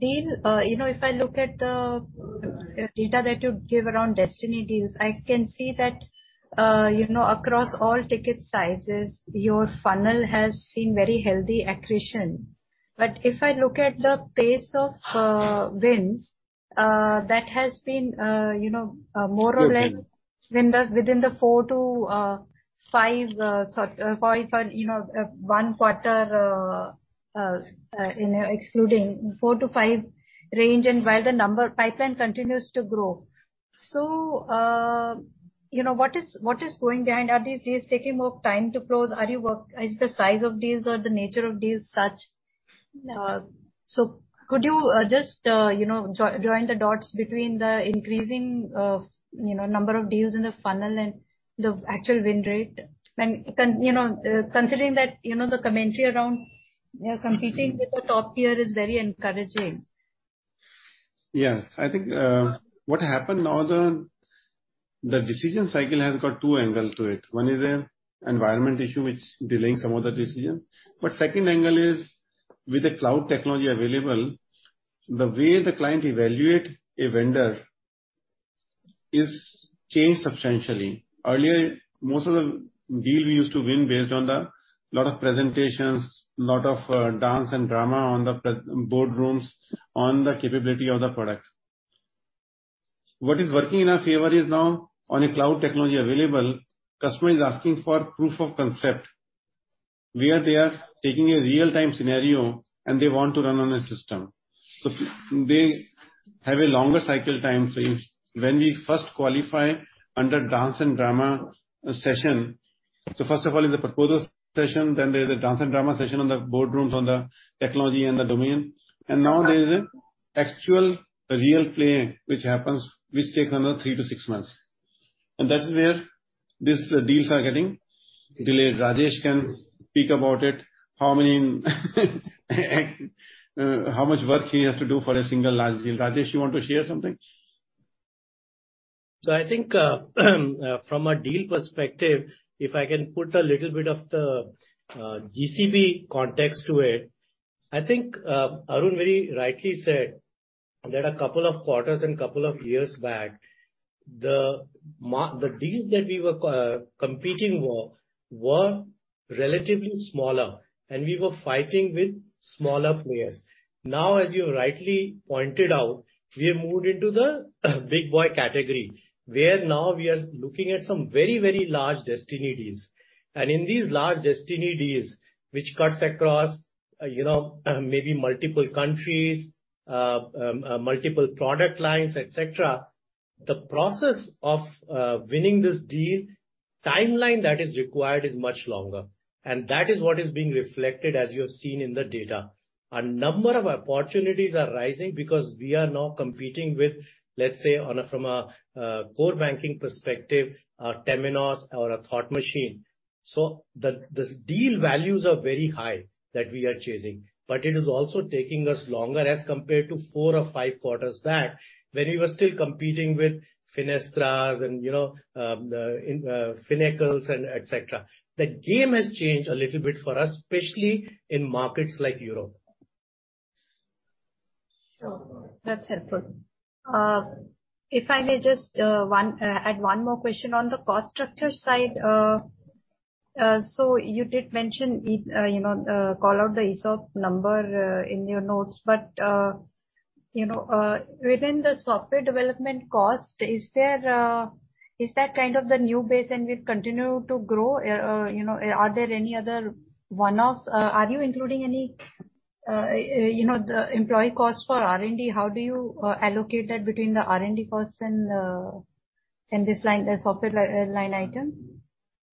F: deal, you know, if I look at the data that you give around Destiny deals, I can see that, you know, across all ticket sizes, your funnel has seen very healthy accretion. If I look at the pace of wins, that has been, you know, more or less.
C: Yes.
F: Within the 4-5 range, you know, one quarter excluding 4-5 range and while the number pipeline continues to grow. You know, what is going on behind? Are these deals taking more time to close? Is the size of deals or the nature of deals such? Could you just, you know, join the dots between the increasing number of deals in the funnel and the actual win rate? Considering that, you know, the commentary around competing with the top tier is very encouraging.
C: Yes. I think what happened now, the decision cycle has got two angles to it. One is an environment issue which is delaying some of the decisions. Second angle is, with the cloud technology available, the way the client evaluates a vendor has changed substantially. Earlier, most of the deals we used to win based on a lot of presentations, a lot of dance and drama in the boardrooms on the capability of the product. What is working in our favor is now with the cloud technology available, the customer is asking for proof of concept where they are taking a real-time scenario and they want to run on a system. So they have a longer cycle time frame when we first qualify under dance and drama session. First of all is the proposal session, then there's a dance and drama session on the boardrooms on the technology and the domain. Now there is an actual real play which happens, which takes another three to six months. That is where these deals are getting delayed. Rajesh can speak about it, how many, how much work he has to do for a single large deal. Rajesh, you want to share something?
G: I think from a deal perspective, if I can put a little bit of the GCB context to it, I think Arun very rightly said that a couple of quarters and couple of years back, the deals that we were competing were relatively smaller, and we were fighting with smaller players. Now, as you rightly pointed out, we have moved into the big boy category, where now we are looking at some very large Destiny deals. In these large Destiny deals, which cuts across, you know, maybe multiple countries, multiple product lines, et cetera. The process of winning this deal timeline that is required is much longer, and that is what is being reflected as you have seen in the data. A number of opportunities are rising because we are now competing with, let's say, from a core banking perspective, a Temenos or a Thought Machine. The deal values are very high that we are chasing, but it is also taking us longer as compared to four or five quarters back when we were still competing with Finastra and, you know, the Finacle and et cetera. The game has changed a little bit for us, especially in markets like Europe.
F: Sure. That's helpful. If I may just add one more question on the cost structure side. So you did mention, you know, call out the ESOP number in your notes. You know, within the software development cost, is that kind of the new base and will continue to grow? You know, are there any other one-offs? Are you including any, you know, the employee costs for R&D? How do you allocate that between the R&D costs and this line, the software line item?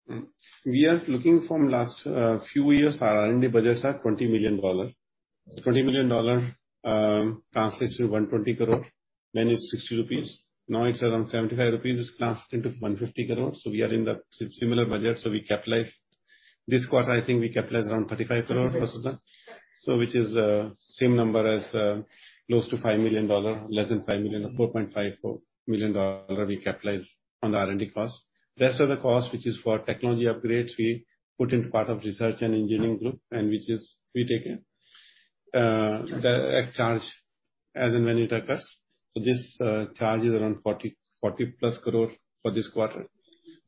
C: For the last few years, our R&D budgets are $20 million. $20 million translates to 120 crore. It's 60 rupees. Now it's around 75 rupees. It comes to 150 crores. We are in the similar budget. We capitalized. This quarter, I think we capitalized around 35 crore.
F: Okay.
C: Most of them. Which is same number as close to $5 million, less than $5 million, $4.5 million, $4 million we capitalize on the R&D cost. Rest of the cost, which is for technology upgrades, we put into part of research and engineering group, and which is we take in the charge as and when it occurs. This charge is around 40+ crore for this quarter.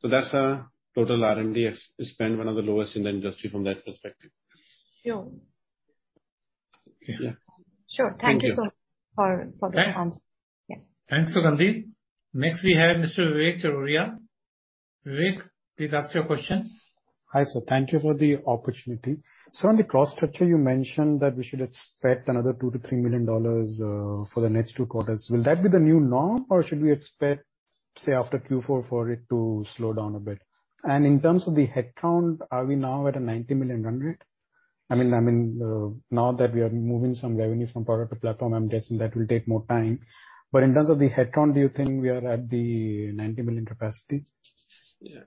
C: That's the total R&D expense, one of the lowest in the industry from that perspective.
F: Sure.
C: Yeah.
F: Sure. Thank you so much for the answers.
C: Thank-
F: Yeah.
A: Thanks, Sugandhi. Next, we have Mr. Vivek Charoria. Vivek, please ask your question.
H: Hi, sir. Thank you for the opportunity. Sir, on the cost structure, you mentioned that we should expect another $2 million-$3 million for the next two quarters. Will that be the new norm, or should we expect, say, after Q4 for it to slow down a bit? In terms of the headcount, are we now at a $90 million run rate? I mean, now that we are moving some revenue from product to platform, I'm guessing that will take more time. But in terms of the headcount, do you think we are at the $90 million capacity?
C: Yeah.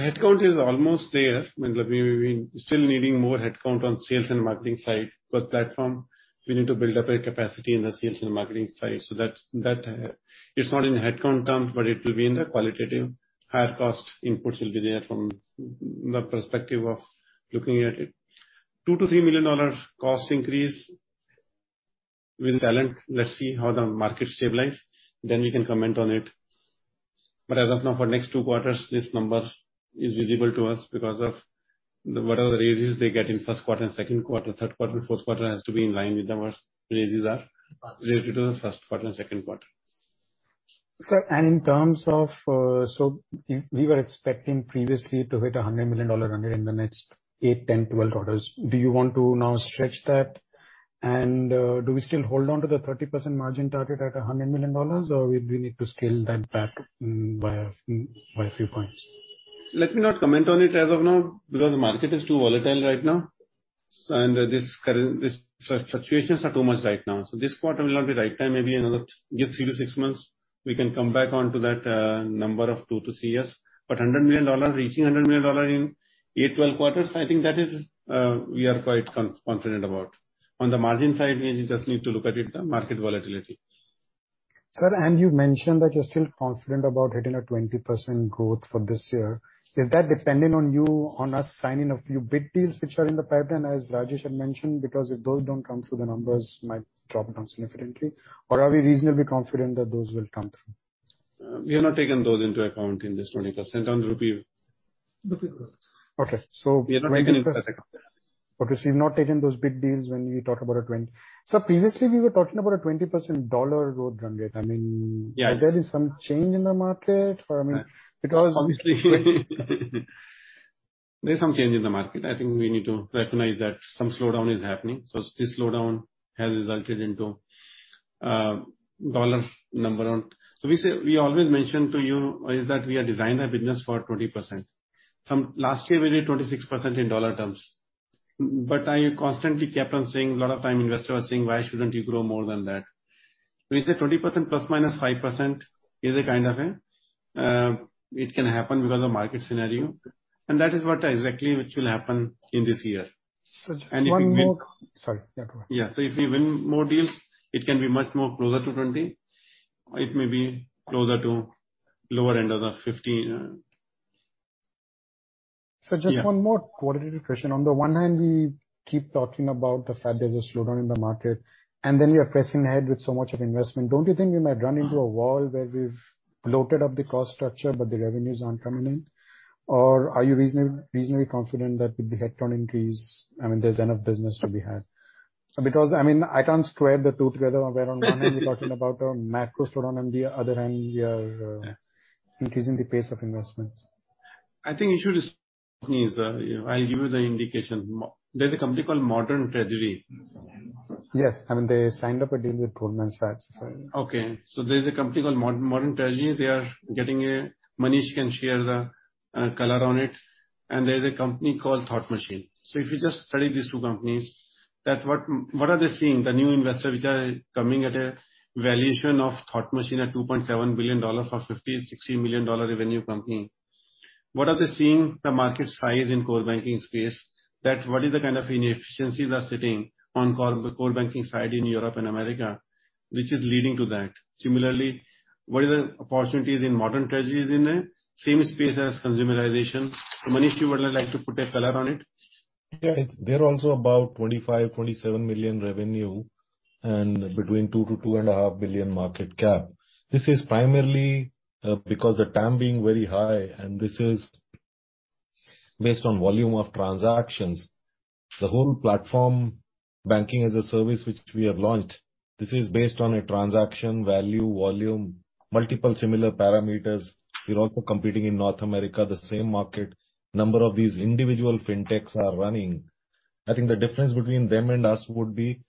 C: Headcount is almost there. I mean, like, we still needing more headcount on sales and marketing side. With platform, we need to build up a capacity in the sales and marketing side. That it's not in headcount terms, but it will be in the qualitative higher cost inputs will be there from the perspective of looking at it. $2 million-$3 million cost increase with talent. Let's see how the market stabilizes, then we can comment on it. But as of now, for next two quarters, this number is visible to us because of whatever raises they get in first quarter and second quarter, third quarter, fourth quarter has to be in line with what raises are related to the first quarter and second quarter.
H: Sir, in terms of, we were expecting previously to hit $100 million run rate in the next eight, 10, 12 quarters. Do you want to now stretch that? Do we still hold on to the 30% margin target at $100 million, or we need to scale that back by a few points?
C: Let me not comment on it as of now because the market is too volatile right now. These current fluctuations are too much right now. This quarter will not be right time. Maybe another three to six months, we can come back onto that number of two to three years. $100 million, reaching $100 million in eight, 12 quarters, I think that is, we are quite confident about. On the margin side, we just need to look at it, the market volatility.
H: Sir, you mentioned that you're still confident about hitting a 20% growth for this year. Is that dependent on you, on us signing a few big deals which are in the pipeline, as Rajesh had mentioned? Because if those don't come through, the numbers might drop down significantly. Are we reasonably confident that those will come through?
C: We have not taken those into account in this 20%. On rupee
H: Okay. 20%-
C: We have not taken it into account.
H: Okay. You've not taken those big deals when you talk about a 20. Sir, previously you were talking about a 20% dollar growth run rate. I mean.
C: Yeah.
H: There is some change in the market or, I mean, because.
C: There's some change in the market. I think we need to recognize that some slowdown is happening. This slowdown has resulted in dollar numbers. We say, we always mention to you is that we have designed our business for 20%. Last year we did 26% in dollar terms. I constantly kept on saying, a lot of times investors were saying, "Why shouldn't you grow more than that?" We say 20% ± 5% is a kind of a, it can happen because of market scenario, and that is what exactly which will happen this year.
H: Just one more-
C: If we win.
H: Sorry. Yeah, go on.
C: If we win more deals, it can be much more closer to 20%. It may be closer to lower end of the 15%. Yeah.
H: Sir, just one more qualitative question. On the one hand, we keep talking about the fact there's a slowdown in the market, and then we are pressing ahead with so much of investment. Don't you think we might run into a wall where we've bloated up the cost structure but the revenues aren't coming in? Or are you reasonably confident that with the headcount increase, I mean, there's enough business to be had? Because, I mean, I can't square the two together where on one hand you're talking about a macro slowdown, on the other hand, we are increasing the pace of investment.
C: I think you should. I'll give you the indication. There's a company called Modern Treasury. I mean, they signed up a deal with Goldman Sachs. Okay. There's a company called Modern Treasury. They are getting a... Manish can share the color on it. There's a company called Thought Machine. If you just study these two companies, that what are they seeing? The new investors which are coming at a valuation of Thought Machine at $2.7 billion for $50 million-$60 million revenue company. What are they seeing the market size in core banking space? That what is the kind of inefficiencies are sitting on core banking side in Europe and America, which is leading to that. Similarly, what is the opportunities in Modern Treasury in a same space as consumerization? Manish, would you like to put a color on it?
I: Yeah. They're also about 25-27 million revenue and between 2-2.5 billion market cap. This is primarily because the TAM being very high, and this is based on volume of transactions. The whole platform Banking as a Service which we have launched, this is based on a transaction value, volume, multiple similar parameters. We're also competing in North America, the same market. Number of these individual fintechs are running. I think the difference between them and us would be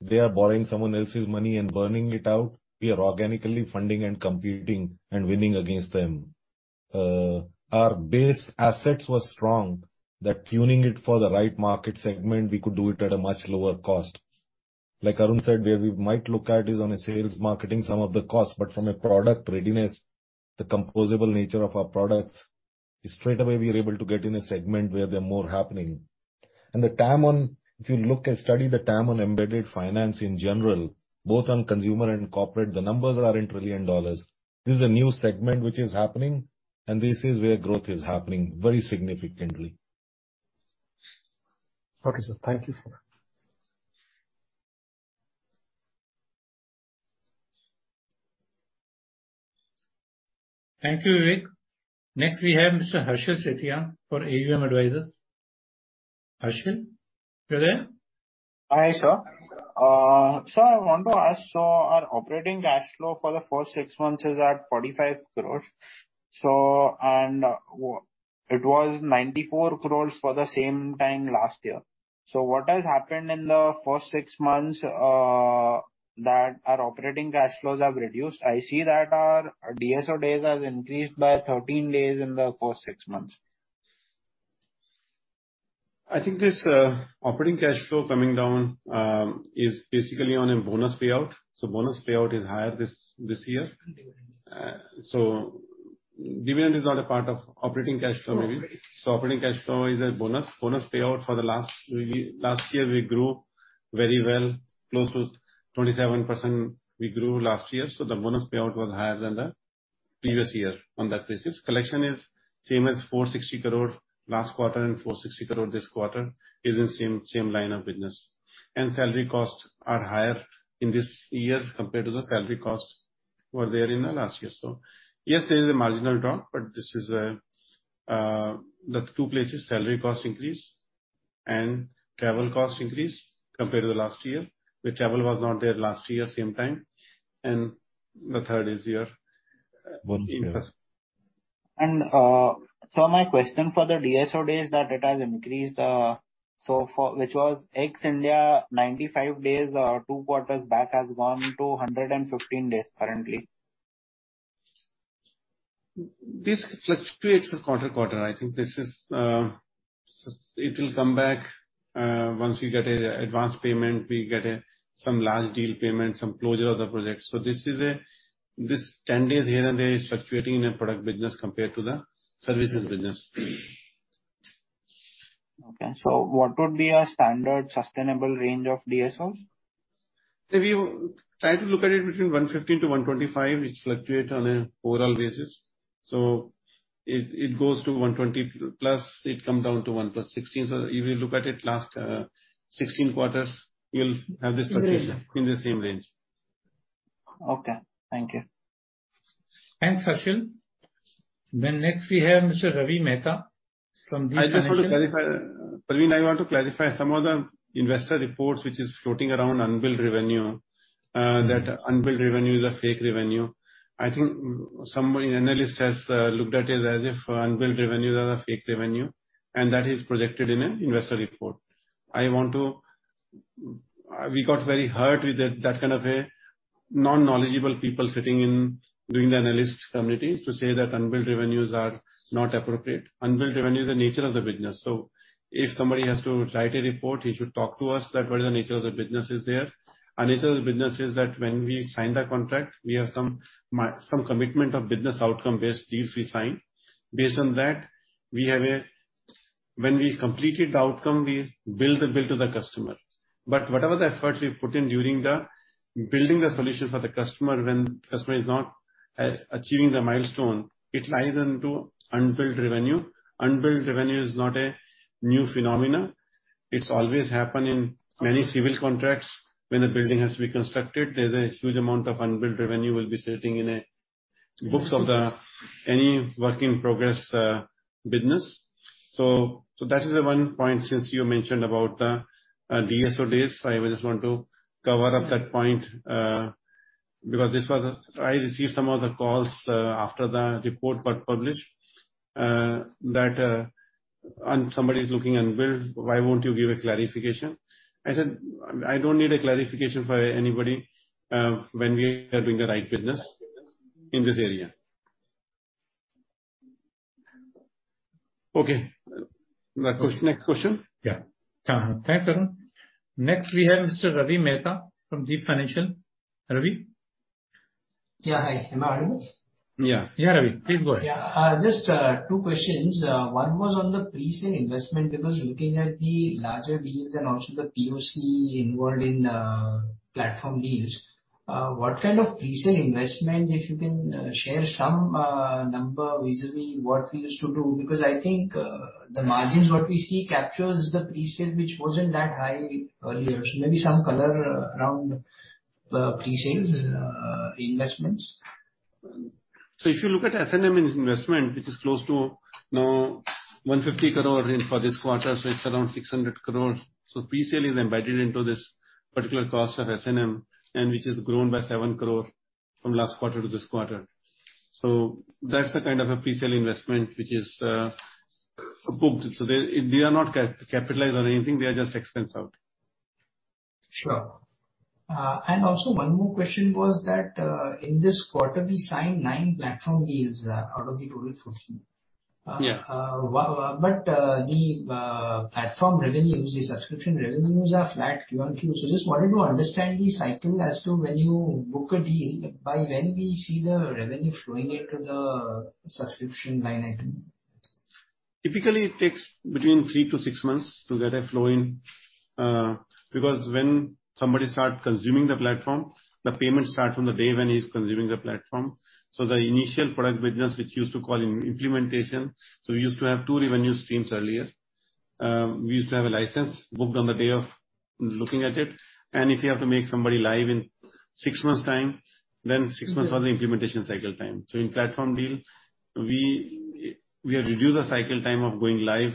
I: they are borrowing someone else's money and burning it out. We are organically funding and competing and winning against them. Our base assets was strong, that tuning it for the right market segment, we could do it at a much lower cost. Like Arun said, where we might look at is on a sales and marketing some of the costs, but from a product readiness, the composable nature of our products, straight away we are able to get in a segment where there are more happening. The TAM on, if you look and study the TAM on embedded finance in general, both on consumer and corporate, the numbers are in trillion dollars. This is a new segment which is happening, and this is where growth is happening very significantly.
H: Okay, sir. Thank you, sir.
A: Thank you, Vivek. Next, we have Mr. Harshil Shethia for AUM Advisors. Harshil, you there?
J: Hi, sir. I want to ask, our operating cash flow for the first six months is at 45 crore. It was 94 crore for the same time last year. What has happened in the firstsix6 months that our operating cash flows have reduced? I see that our DSO days has increased by 13 days in the first six months.
C: I think this operating cash flow coming down is basically on a bonus payout. Bonus payout is higher this year. Dividend is not a part of operating cash flow, maybe.
J: Okay.
C: Operating cash flow is a bonus. Bonus payout for the last year we grew very well, close to 27% we grew last year. The bonus payout was higher than the previous year on that basis. Collection is same as 460 crore last quarter and 460 crore this quarter, is in same line of business. Salary costs are higher in this year compared to the salary costs were there in the last year. Yes, there is a marginal drop, but this is the two places, salary cost increase and travel cost increase compared to the last year, where travel was not there last year same time. The third is your.
J: My question for the DSO days that it has increased, so for which was ex-India 95 days or two quarters back, has gone to 115 days currently.
C: This fluctuates from quarter to quarter. I think this is, it will come back once we get an advance payment, we get some large deal payment, some closure of the project. This ten days here and there is fluctuating in a product business compared to the services business.
J: What would be a standard sustainable range of DSOs?
C: If you try to look at it between 115 to 125, it fluctuate on an overall basis. It goes to 120+, it come down to 116. If you look at it last 16 quarters, you'll have this fluctuation.
J: Yes, sir.
C: In the same range.
J: Okay. Thank you.
A: Thanks, Harshil. Next we have Mr. Ravi Mehta from Deep Financial.
C: I just want to clarify. Praveen, I want to clarify some of the investor reports which is floating around unbilled revenue, that unbilled revenue is a fake revenue. I think some analyst has looked at it as if unbilled revenues are the fake revenue, and that is projected in an investor report. We got very hurt with that kind of a non-knowledgeable people sitting in, doing the analyst community to say that unbilled revenues are not appropriate. Unbilled revenue is the nature of the business. So if somebody has to write a report, he should talk to us that what is the nature of the business is there. Nature of the business is that when we sign the contract, we have some commitment of business outcome based deals we sign. Based on that, we have a, when we completed the outcome, we bill the bill to the customer. But whatever the efforts we've put in during the building the solution for the customer, when customer is not achieving the milestone, it lies into unbilled revenue. Unbilled revenue is not a new phenomenon. It's always happened in many civil contracts. When a building has to be constructed, there's a huge amount of unbilled revenue will be sitting in books of any work in progress business. That is the one point since you mentioned about the DSO days. I just want to cover up that point. Because this was a I received some of the calls after the report got published that somebody's looking unbilled, why won't you give a clarification? I said, I don't need a clarification for anybody, when we are doing the right business in this area. Okay. Next question.
A: Yeah. Thanks, Arun. Next, we have Mr. Ravi Mehta from Deep Financial. Ravi?
K: Yeah, hi. Am I audible?
A: Yeah. Yeah, Ravi, please go ahead.
K: Yeah. Just two questions. One was on the pre-sale investment, because looking at the larger deals and also the POC involved in platform deals, what kind of pre-sale investment, if you can share some number vis-à-vis what we used to do? Because I think the margins what we see captures the pre-sale which wasn't that high earlier. Maybe some color around the pre-sales investments.
C: If you look at S&M investment, which is close to now 150 crore for this quarter, it's around 600 crores. Pre-sale is embedded into this particular cost of S&M and which is grown by 7 crore from last quarter to this quarter. That's the kind of a pre-sale investment which is booked. They are not capitalized on anything, they are just expensed out.
K: Sure. One more question was that, in this quarter we signed nine platform deals, out of the total 14.
C: Yeah.
K: The platform revenues, the subscription revenues are flat Q on Q. Just wanted to understand the cycle as to when you book a deal, by when we see the revenue flowing into the subscription line item.
C: Typically, it takes between three to six months to get a flow in. Because when somebody start consuming the platform, the payment start from the day when he's consuming the platform. The initial product business, which used to call implementation, we used to have two revenue streams earlier. We used to have a license booked on the day of looking at it. If you have to make somebody live in six months time, then six months was the implementation cycle time. In platform deal, we have reduced the cycle time of going live.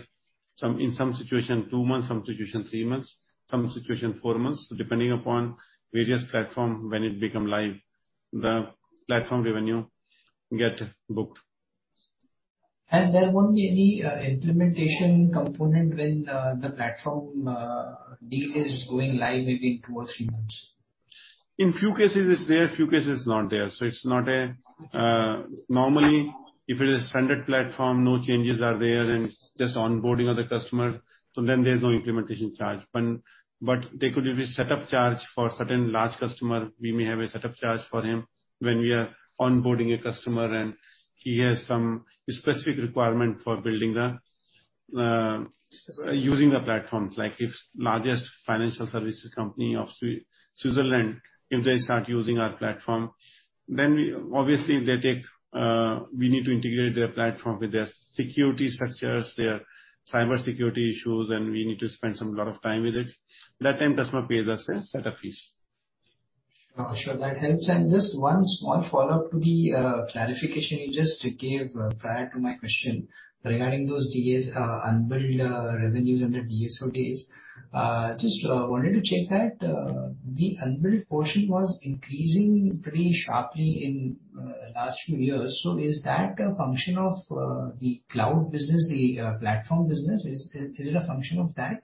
C: In some situation, two months, some situation, three months, some situation, four months, depending upon various platform when it become live, the platform revenue get booked.
K: There won't be any implementation component when the platform deal is going live within two or three months?
C: In few cases it's there, few cases it's not there. Normally, if it is standard platform, no changes are there and it's just onboarding of the customer, then there's no implementation charge. There could be setup charge for certain large customer. We may have a setup charge for him when we are onboarding a customer and he has some specific requirement for using the platforms. Like if largest financial services company of Switzerland, if they start using our platform, then obviously it takes, we need to integrate their platform with their security structures, their cybersecurity issues, and we need to spend a lot of time with it. At that time customer pays us setup fees.
K: Oh, sure. That helps. Just one small follow-up to the clarification you just gave prior to my question regarding those deals, unbilled revenues under DSO days. Just wanted to check that the unbilled portion was increasing pretty sharply in last few years. Is that a function of the cloud business, the platform business? Is it a function of that?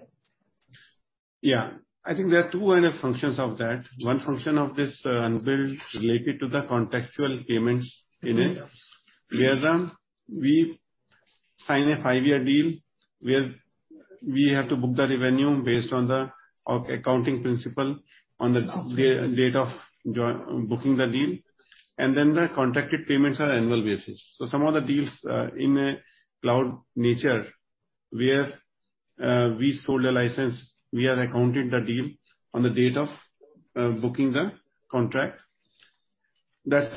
C: Yeah. I think there are two kind of functions of that. One function of this unbilled related to the contextual payments in it. The other, we sign a five-year deal where we have to book the revenue based on the accounting principle on the date of booking the deal. Then the contracted payments are annual basis. Some of the deals in a cloud nature, where we sold a license, we are accounting the deal on the date of booking the contract. That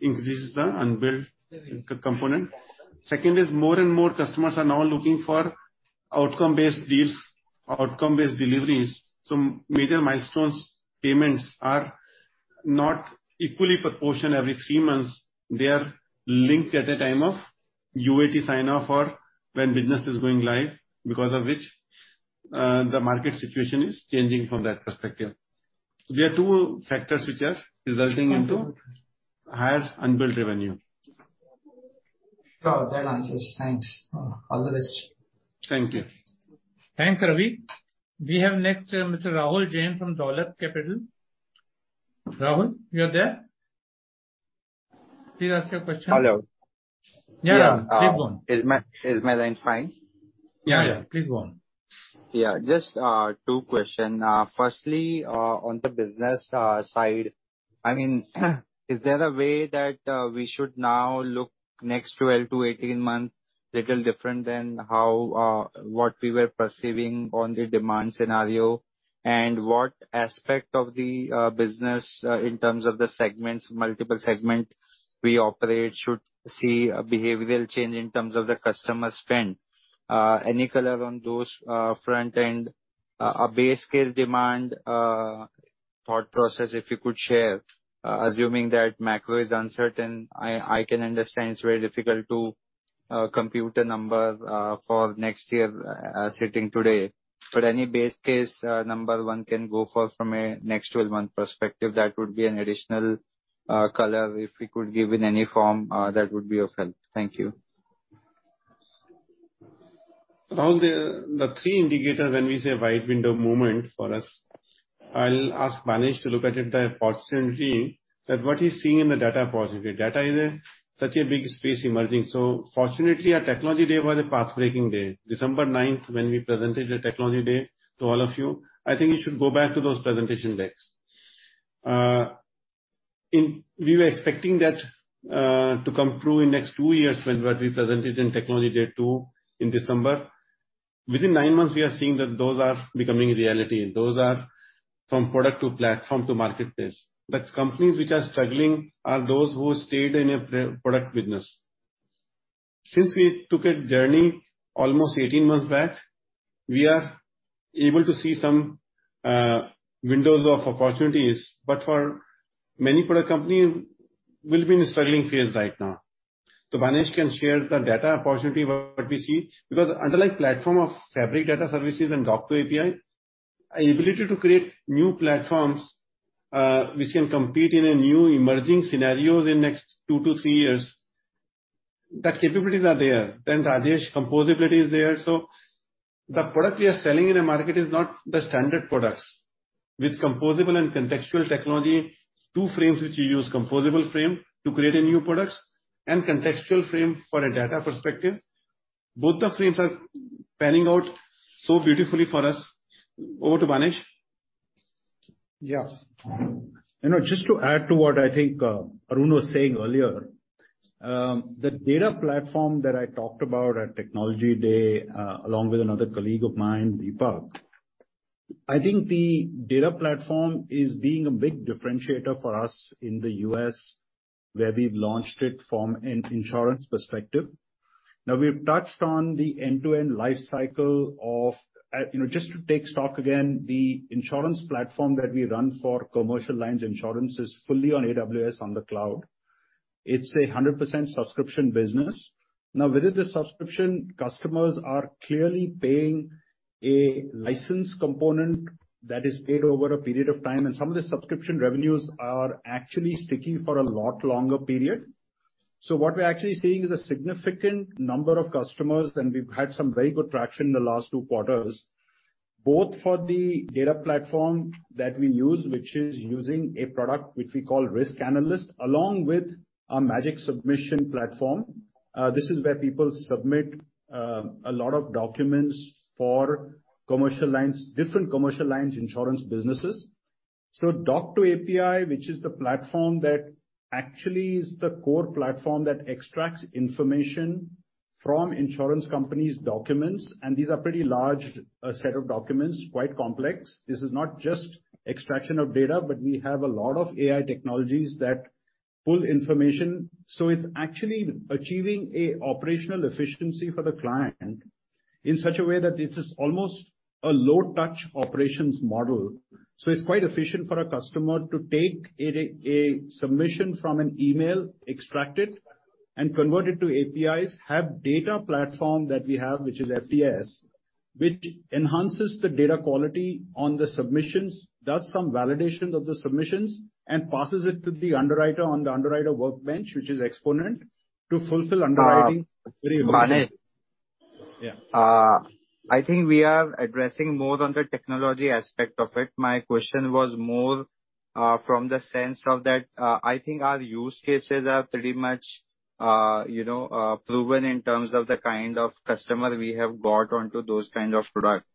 C: increases the unbilled component. Second is more and more customers are now looking for outcome-based deals, outcome-based deliveries. Some major milestones, payments are not equally proportion every three months. They are linked at the time of UAT sign-off or when business is going live, because of which the market situation is changing from that perspective. There are two factors which are resulting into higher unbilled revenue.
K: Sure. That answers. Thanks. All the best.
C: Thank you.
A: Thanks, Ravi. We have next, Mr. Rahul Jain from Dolat Capital. Rahul, you are there? Please ask your question.
L: Hello.
C: Yeah, Rahul. Please go on.
L: Is my line fine?
C: Yeah, yeah. Please go on.
L: Just two questions. Firstly, on the business side, I mean, is there a way that we should now look next 12 to 18 months little different than how what we were perceiving on the demand scenario? What aspect of the business in terms of the segments, multiple segment we operate should see a behavioral change in terms of the customer spend? Any color on those front and a base case demand thought process, if you could share, assuming that macro is uncertain, I can understand it's very difficult to compute a number for next year sitting today. Any base case number one can go for from a next twelve-month perspective, that would be an additional color if you could give in any form, that would be of help. Thank you.
C: Rahul, the three indicators when we say white window moment for us, I'll ask Banesh to look at it, the opportunity that what he's seeing in the data positive. Data is such a big space emerging. Fortunately, our technology day was a pathbreaking day. December ninth, when we presented the technology day to all of you, I think you should go back to those presentation decks. We were expecting that to come through in next two years when what we presented in technology day two in December. Within nine months, we are seeing that those are becoming reality. Those are from product to platform to marketplace. Companies which are struggling are those who stayed in a product business. Since we took a journey almost 18 months back, we are able to see some windows of opportunities, but for many product company will be in a struggling phase right now. Banesh can share the data opportunity what we see, because underlying platform of Fabric Data Services and Doc2API, our ability to create new platforms, which can compete in a new emerging scenarios in next two to three years, the capabilities are there. Rajesh, composability is there. The product we are selling in a market is not the standard products. With composable and contextual technology, two frames which we use, composable frame to create a new products and contextual frame for a data perspective. Both the frames are panning out so beautifully for us. Over to Banesh.
M: Yeah. You know, just to add to what I think Rahul was saying earlier, the data platform that I talked about at Technology Day, along with another colleague of mine, Deepak. I think the data platform is being a big differentiator for us in the U.S., where we've launched it from an insurance perspective. Now, we've touched on the end-to-end life cycle of, you know, just to take stock again, the insurance platform that we run for commercial lines insurance is fully on AWS on the cloud. It's 100% subscription business. Now, within the subscription, customers are clearly paying a license component that is paid over a period of time, and some of the subscription revenues are actually sticking for a lot longer period. What we're actually seeing is a significant number of customers, and we've had some very good traction in the last two quarters, both for the data platform that we use, which is using a product which we call Risk Analyst, along with our Magic Submission platform. This is where people submit a lot of documents for commercial lines, different commercial lines insurance businesses. Doc2API, which is the platform that actually is the core platform that extracts information from insurance companies' documents, and these are pretty large set of documents, quite complex. This is not just extraction of data, but we have a lot of AI technologies that pull information. It's actually achieving an operational efficiency for the client in such a way that it is almost a low touch operations model. It's quite efficient for a customer to take a submission from an email, extract it, and convert it to APIs, have data platform that we have, which is FDS. Which enhances the data quality on the submissions, does some validation of the submissions, and passes it to the underwriter on the underwriter workbench, which is Xponent, to fulfill underwriting.
L: Banesh.
M: Yeah.
L: I think we are addressing more on the technology aspect of it. My question was more from the sense of that. I think our use cases are pretty much, you know, proven in terms of the kind of customer we have got onto those kind of product.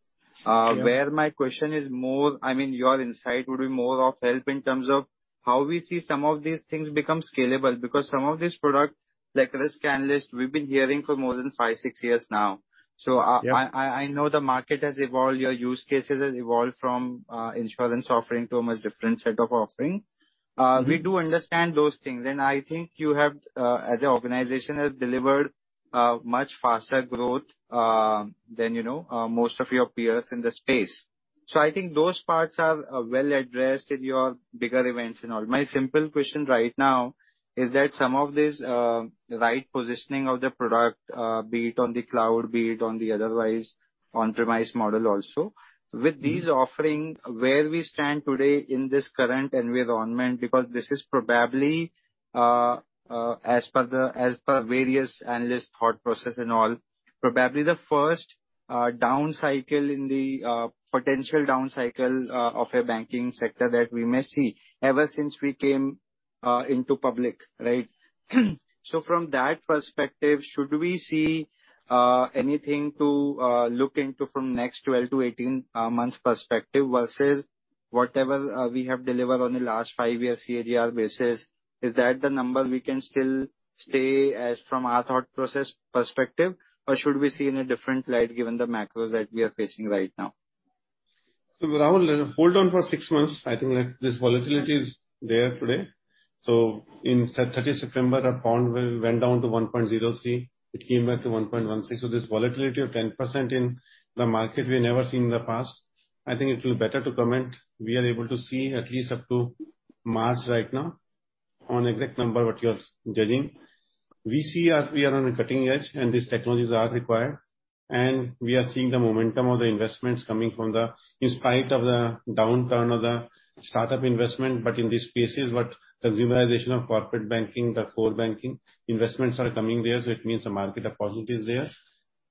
M: Yeah.
L: Where my question is more, I mean, your insight would be more of help in terms of how we see some of these things become scalable. Because some of this product, like Risk Analyst, we've been hearing for more than five, six years now.
M: Yeah.
L: I know the market has evolved, your use cases has evolved from insurance offering to a much different set of offering.
M: Mm-hmm.
L: We do understand those things, and I think you have, as an organization, have delivered much faster growth than you know most of your peers in the space. I think those parts are well addressed in your bigger events and all. My simple question right now is that some of this right positioning of the product be it on the cloud, be it on the otherwise on-premise model also.
M: Mm-hmm.
L: With these offerings, where we stand today in this current environment, because this is probably, as per various analyst thought process and all, probably the first down cycle in the potential down cycle of a banking sector that we may see ever since we came into public, right? From that perspective, should we see anything to look into from next 12 to 18 months perspective versus whatever we have delivered on the last five years CAGR basis? Is that the number we can still stay as from our thought process perspective, or should we see in a different light given the macros that we are facing right now?
C: Rahul, hold on for six months. I think that this volatility is there today. In 30th September, our pound went down to 1.03. It came back to 1.16. This volatility of 10% in the market, we've never seen in the past. I think it will be better to comment. We are able to see at least up to March right now on exact number what you are judging. We see, as we are on the cutting edge, and these technologies are required, and we are seeing the momentum of the investments coming from the in spite of the downturn of the start-up investment, but in these spaces what consumerization of corporate banking, the core banking investments are coming there. It means the market deposit is there.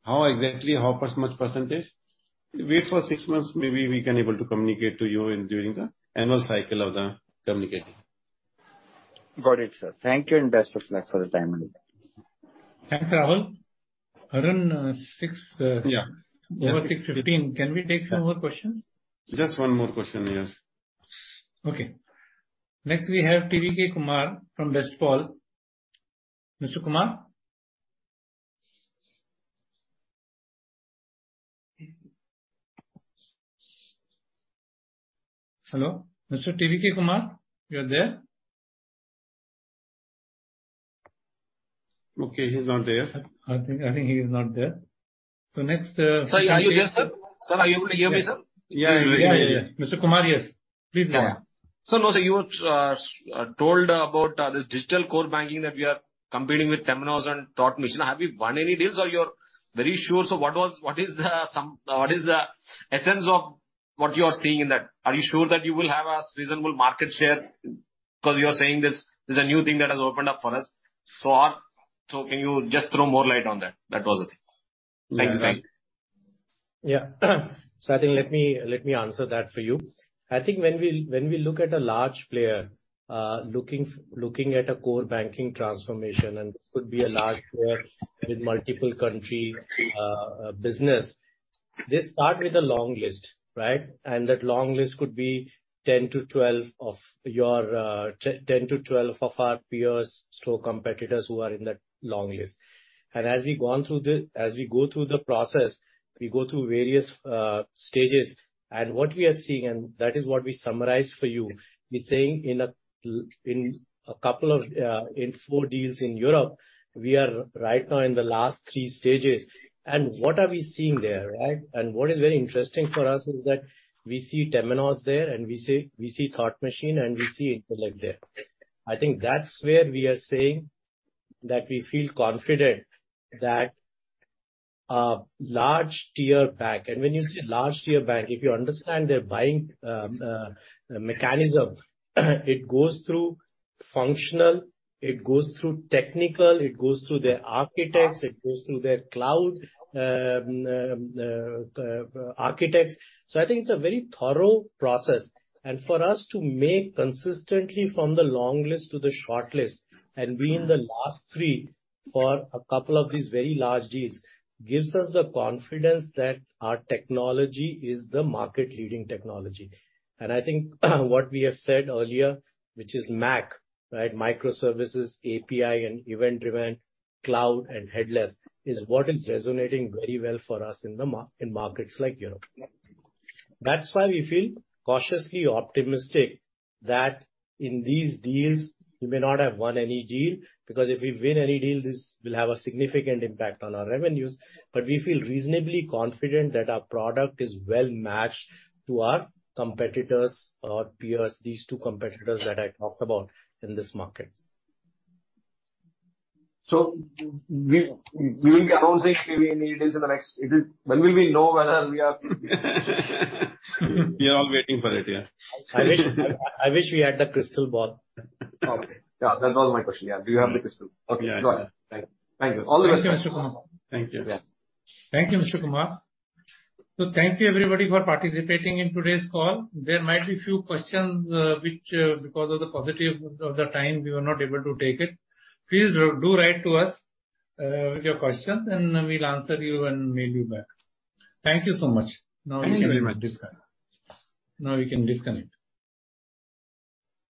C: How exactly, how much percentage? Wait for six months, maybe we can be able to communicate to you during the annual cycle of the communication.
L: Got it, sir. Thank you and best of luck for the time.
A: Thanks, Rahul. Arun, six.
C: Yeah.
A: Over 6:15. Can we take some more questions?
C: Just one more question, yes.
A: Okay. Next, we have TVK Kumar from [BestPal]. Mr. Kumar? Hello? Mr. TVK Kumar, you are there?
C: Okay, he's not there.
A: I think he is not there. Next,
N: Sir, are you there, sir? Sir, are you able to hear me, sir?
C: Yeah. Mr. Kumar, yes. Please go on.
N: No, you told about this digital core banking that we are competing with Temenos and Thought Machine. Have you won any deals or you're very sure? What is the essence of what you are seeing in that? Are you sure that you will have a reasonable market share? 'Cause you are saying this is a new thing that has opened up for us. Can you just throw more light on that? That was it. Thank you.
G: I think let me answer that for you. I think when we look at a large player looking at a core banking transformation, and this could be a large player with multiple country business, they start with a long list, right? That long list could be 10 to 12 of our peers, so competitors who are in that long list. As we go through the process, we go through various stages. What we are seeing, that is what we summarized for you, we're saying in four deals in Europe, we are right now in the last three stages. What are we seeing there, right? What is very interesting for us is that we see Temenos there, and we see Thought Machine, and we see Intellect there. I think that's where we are saying that we feel confident that large tier bank, and when you say large tier bank, if you understand their buying mechanism, it goes through functional, it goes through technical, it goes through their architects, it goes through their cloud architects. I think it's a very thorough process. For us to make consistently from the long list to the short list and be in the last three for a couple of these very large deals, gives us the confidence that our technology is the market leading technology. I think what we have said earlier, which is MACH, right? Microservices, API, and event-driven, cloud and headless, is what is resonating very well for us in markets like Europe. That's why we feel cautiously optimistic that in these deals, we may not have won any deal because if we win any deal, this will have a significant impact on our revenues. We feel reasonably confident that our product is well-matched to our competitors or peers, these two competitors that I talked about in this market.
C: We will be announcing if we win any deals in the next. When will we know whether we are
N: We are all waiting for it. Yeah.
G: I wish we had a crystal ball.
N: Okay. Yeah, that was my question. Yeah. Do you have the crystal? Okay.
C: Yeah.
N: Got it. Thank you. Thank you. All the best.
G: Thank you, Mr. Kumar.
C: Thank you.
A: Yeah. Thank you, Mr. TVK Kumar. Thank you everybody for participating in today's call. There might be a few questions, which, because of the paucity of time, we were not able to take it. Please do write to us with your questions, and we'll answer you and mail you back. Thank you so much.
C: Thank you very much.
A: Now we can disconnect.